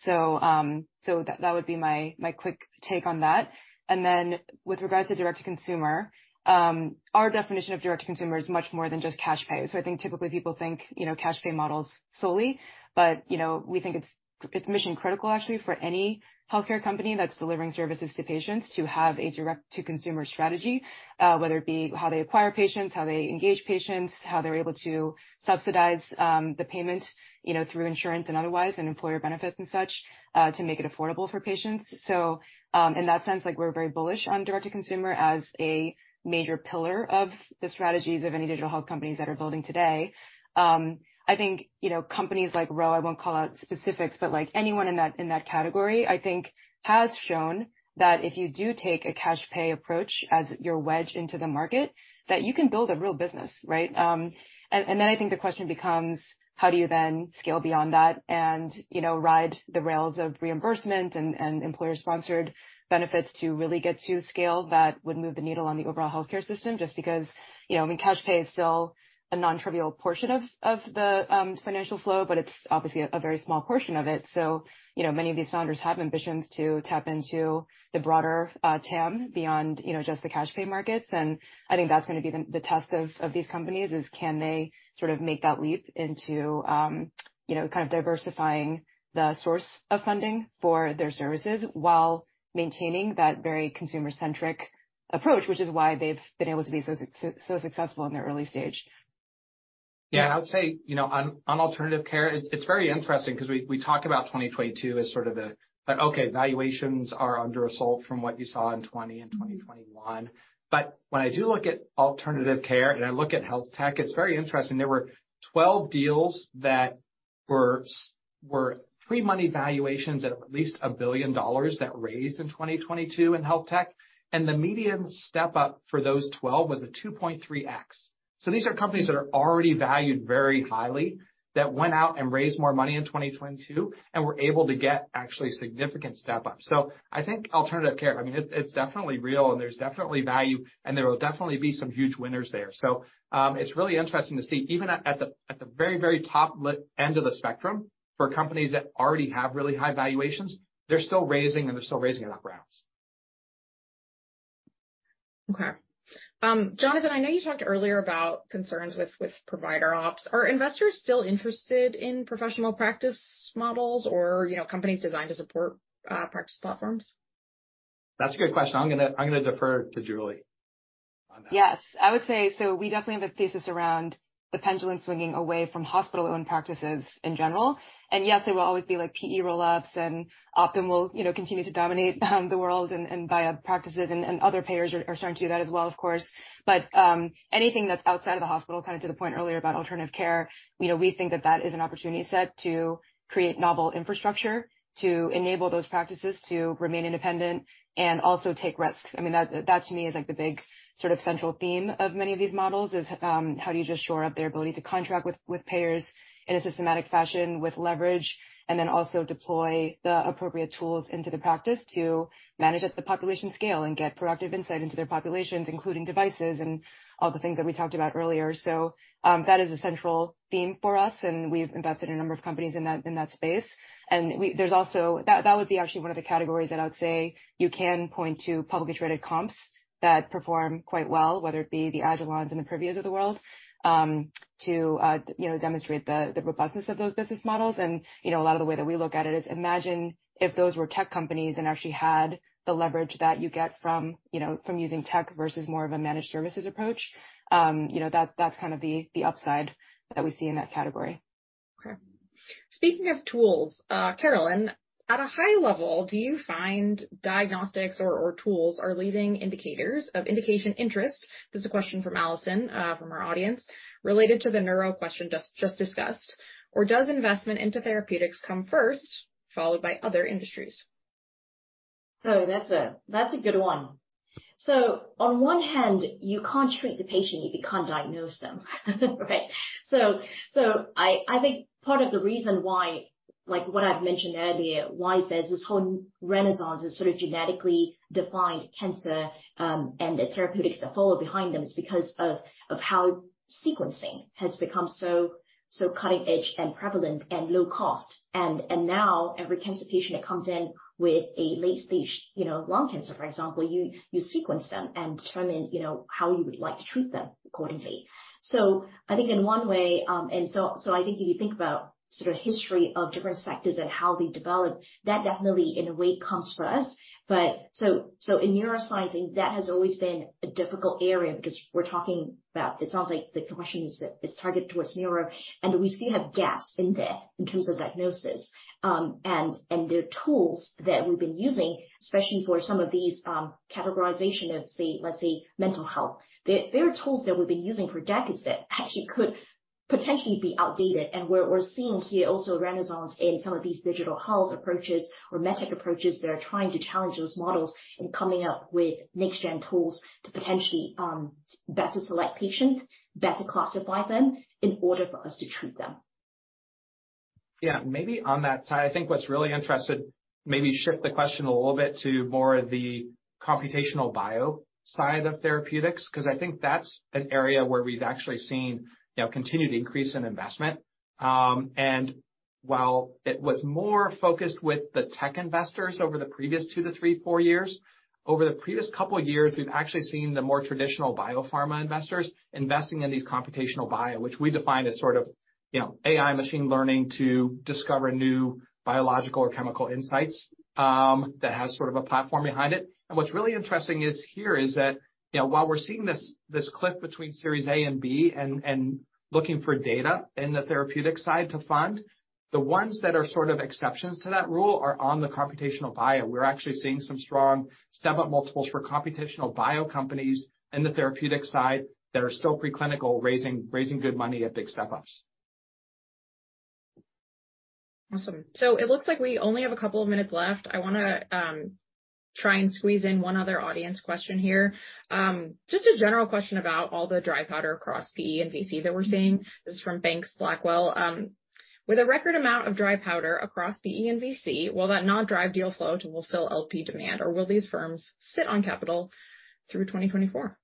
So that would be my quick take on that. And then with regards to direct-to-consumer, our definition of direct-to-consumer is much more than just cash pay. So I think typically people think cash pay models solely, but we think it's mission-critical, actually, for any healthcare company that's delivering services to patients to have a direct-to-consumer strategy, whether it be how they acquire patients, how they engage patients, how they're able to subsidize the payment through insurance and otherwise and employer benefits and such to make it affordable for patients. So in that sense, we're very bullish on direct-to-consumer as a major pillar of the strategies of any digital health companies that are building today. I think companies like Ro, I won't call out specifics, but anyone in that category, I think, has shown that if you do take a cash pay approach as your wedge into the market, that you can build a real business, right? Then I think the question becomes, how do you then scale beyond that and ride the rails of reimbursement and employer-sponsored benefits to really get to scale that would move the needle on the overall healthcare system? Just because cash pay is still a non-trivial portion of the financial flow, but it's obviously a very small portion of it. So many of these founders have ambitions to tap into the broader TAM beyond just the cash pay markets. And I think that's going to be the test of these companies is can they sort of make that leap into kind of diversifying the source of funding for their services while maintaining that very consumer-centric approach, which is why they've been able to be so successful in their early stage. Yeah, I would say on alternative care, it's very interesting because we talk about 2022 as sort of the, okay, valuations are under assault from what you saw in 2020 and 2021. But when I do look at alternative care and I look at health tech, it's very interesting. There were 12 deals that were pre-money valuations at least $1 billion that raised in 2022 in health tech. And the median step-up for those 12 was a 2.3x. So I think alternative care, I mean, it's definitely real and there's definitely value and there will definitely be some huge winners there. It's really interesting to see even at the very, very top end of the spectrum for companies that already have really high valuations. They're still raising and they're still raising enough rounds. Okay. Jonathan, I know you talked earlier about concerns with provider ops. Are investors still interested in professional practice models or companies designed to support practice platforms? That's a good question. I'm going to defer to Julie on that. Yes. I would say so we definitely have a thesis around the pendulum swinging away from hospital-owned practices in general. And yes, there will always be PE roll-ups and Optum will continue to dominate the world and buy-up practices. And other payers are starting to do that as well, of course. But anything that's outside of the hospital, kind of to the point earlier about alternative care, we think that that is an opportunity set to create novel infrastructure to enable those practices to remain independent and also take risks. I mean, that to me is the big sort of central theme of many of these models is how do you just shore up their ability to contract with payers in a systematic fashion with leverage and then also deploy the appropriate tools into the practice to manage at the population scale and get proactive insight into their populations, including devices and all the things that we talked about earlier. So that is a central theme for us, and we've invested in a number of companies in that space. That would be actually one of the categories that I would say you can point to publicly traded comps that perform quite well, whether it be the Agilon and the Privia of the world, to demonstrate the robustness of those business models. A lot of the way that we look at it is imagine if those were tech companies and actually had the leverage that you get from using tech versus more of a managed services approach. That's kind of the upside that we see in that category. Okay. Speaking of tools, Carolyn, at a high level, do you find diagnostics or tools are leading indicators of indication interest? This is a question from Allison from our audience related to the neuro question just discussed. Or does investment into therapeutics come first, followed by other industries? Oh, that's a good one. So on one hand, you can't treat the patient. You can diagnose them, right? So I think part of the reason why what I've mentioned earlier, why there's this whole renaissance is sort of genetically defined cancer and the therapeutics that follow behind them is because of how sequencing has become so cutting-edge and prevalent and low cost. And now every cancer patient that comes in with a late-stage lung cancer, for example, you sequence them and determine how you would like to treat them accordingly. So I think in one way, and so I think if you think about sort of history of different sectors and how they develop, that definitely in a way comes first. But so in neuroscience, that has always been a difficult area because we're talking about, it sounds like the question is targeted towards neuro, and we still have gaps in there in terms of diagnosis. And the tools that we've been using, especially for some of these categorization of, let's say, mental health, there are tools that we've been using for decades that actually could potentially be outdated. And we're seeing here also renaissance in some of these digital health approaches or metric approaches that are trying to challenge those models and coming up with next-gen tools to potentially better select patients, better classify them in order for us to treat them. Yeah. Maybe on that side, I think what's really interesting, maybe shift the question a little bit to more of the computational bio side of therapeutics because I think that's an area where we've actually seen continued increase in investment. And while it was more focused with the tech investors over the previous two, three, four years, over the previous couple of years, we've actually seen the more traditional biopharma investors investing in these computational bio, which we define as sort of AI machine learning to discover new biological or chemical insights that has sort of a platform behind it. And what's really interesting here is that while we're seeing this cliff between Series A and B and looking for data in the therapeutic side to fund, the ones that are sort of exceptions to that rule are on the computational bio. We're actually seeing some strong step-up multiples for computational bio companies in the therapeutic side that are still preclinical, raising good money at big step-ups. Awesome. So it looks like we only have a couple of minutes left. I want to try and squeeze in one other audience question here. Just a general question about all the dry powder across PE and VC that we're seeing. This is from Banks Blackwell. With a record amount of dry powder across PE and VC, will that drive deal flow and will it fill LP demand, or will these firms sit on capital through 2024?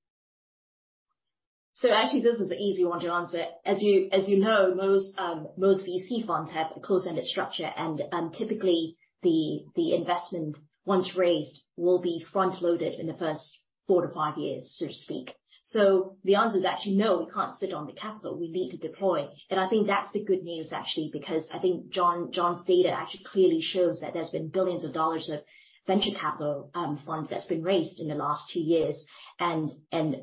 So actually, this is an easy one to answer. As you know, most VC funds have a close-ended structure, and typically the investment once raised will be front-loaded in the first four to five years, so to speak. So the answer is actually, no, we can't sit on the capital. We need to deploy. And I think that's the good news, actually, because I think John's data actually clearly shows that there's been billions of dollars of venture capital funds that's been raised in the last two years, and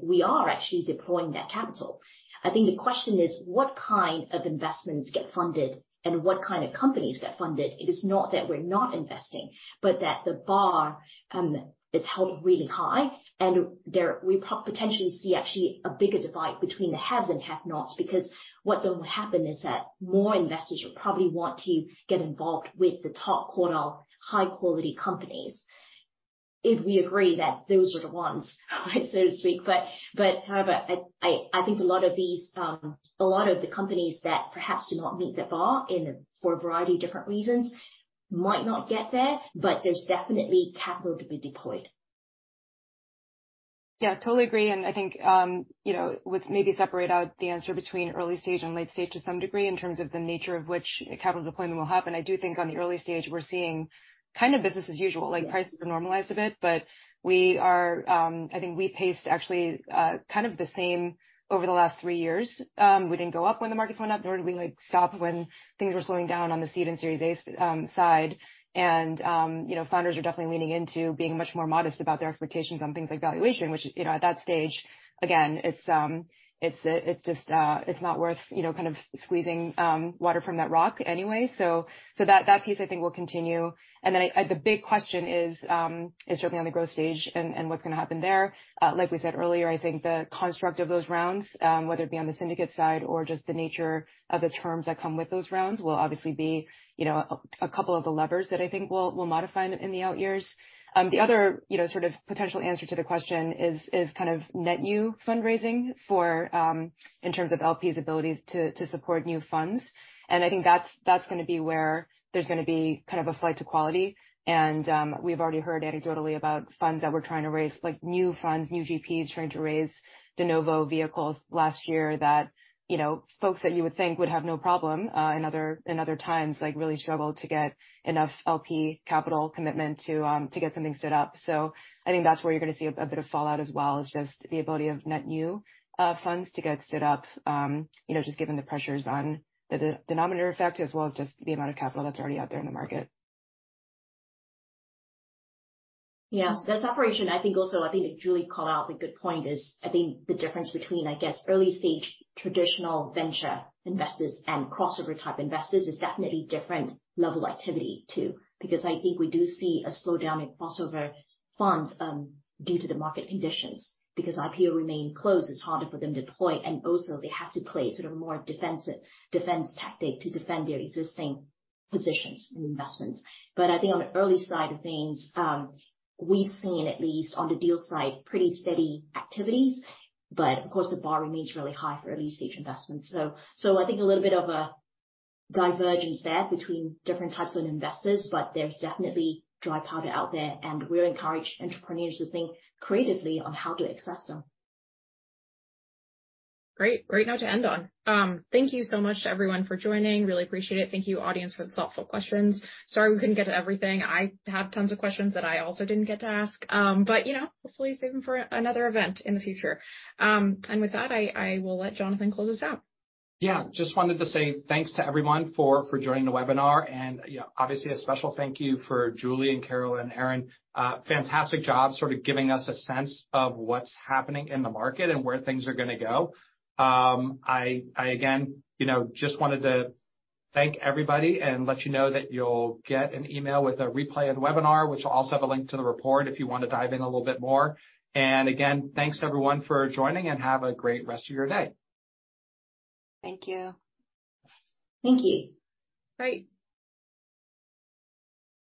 we are actually deploying that capital. I think the question is, what kind of investments get funded and what kind of companies get funded? It is not that we're not investing, but that the bar is held really high, and we potentially see actually a bigger divide between the haves and have-nots because what will happen is that more investors will probably want to get involved with the top quarter high-quality companies if we agree that those are the ones, so to speak. But however, I think a lot of these, a lot of the companies that perhaps do not meet the bar for a variety of different reasons might not get there, but there's definitely capital to be deployed. Yeah, totally agree. And I think with maybe separate out the answer between early stage and late stage to some degree in terms of the nature of which capital deployment will happen, I do think on the early stage, we're seeing kind of business as usual, like prices have normalized a bit, but I think we paced actually kind of the same over the last three years. We didn't go up when the markets went up, nor did we stop when things were slowing down on the seed and Series A side. Founders are definitely leaning into being much more modest about their expectations on things like valuation, which at that stage, again, it's just not worth kind of squeezing water from that rock anyway. So that piece, I think, will continue. And then the big question is certainly on the growth stage and what's going to happen there. Like we said earlier, I think the construct of those rounds, whether it be on the syndicate side or just the nature of the terms that come with those rounds, will obviously be a couple of the levers that I think will modify in the out years. The other sort of potential answer to the question is kind of net new fundraising in terms of LPs' ability to support new funds. And I think that's going to be where there's going to be kind of a flight to quality. We've already heard anecdotally about funds that we're trying to raise, like new funds, new GPs trying to raise de novo vehicles last year that folks that you would think would have no problem in other times really struggle to get enough LP capital commitment to get something stood up. So I think that's where you're going to see a bit of fallout as well as just the ability of net new funds to get stood up, just given the pressures on the denominator effect as well as just the amount of capital that's already out there in the market. Yeah. That's operational. I think also, I think that Julie called out the good point is I think the difference between, I guess, early stage traditional venture investors and crossover type investors is definitely different level activity too because I think we do see a slowdown in crossover funds due to the market conditions because IPO remain closed. It's harder for them to deploy. And also, they have to play sort of a more defensive defense tactic to defend their existing positions and investments. But I think on the early side of things, we've seen at least on the deal side pretty steady activities, but of course, the bar remains really high for early stage investments. So I think a little bit of a divergence there between different types of investors, but there's definitely dry powder out there, and we'll encourage entrepreneurs to think creatively on how to access them. Great. Great note to end on. Thank you so much, everyone, for joining. Really appreciate it. Thank you, audience, for the thoughtful questions. Sorry we couldn't get to everything. I have tons of questions that I also didn't get to ask, but hopefully save them for another event in the future, and with that, I will let Jonathan close us out. Yeah. Just wanted to say thanks to everyone for joining the webinar, and obviously, a special thank you for Julie and Carolyn and Erin. Fantastic job sort of giving us a sense of what's happening in the market and where things are going to go. I again just wanted to thank everybody and let you know that you'll get an email with a replay of the webinar, which will also have a link to the report if you want to dive in a little bit more. And again, thanks everyone for joining and have a great rest of your day. Thank you. Thank you. Great.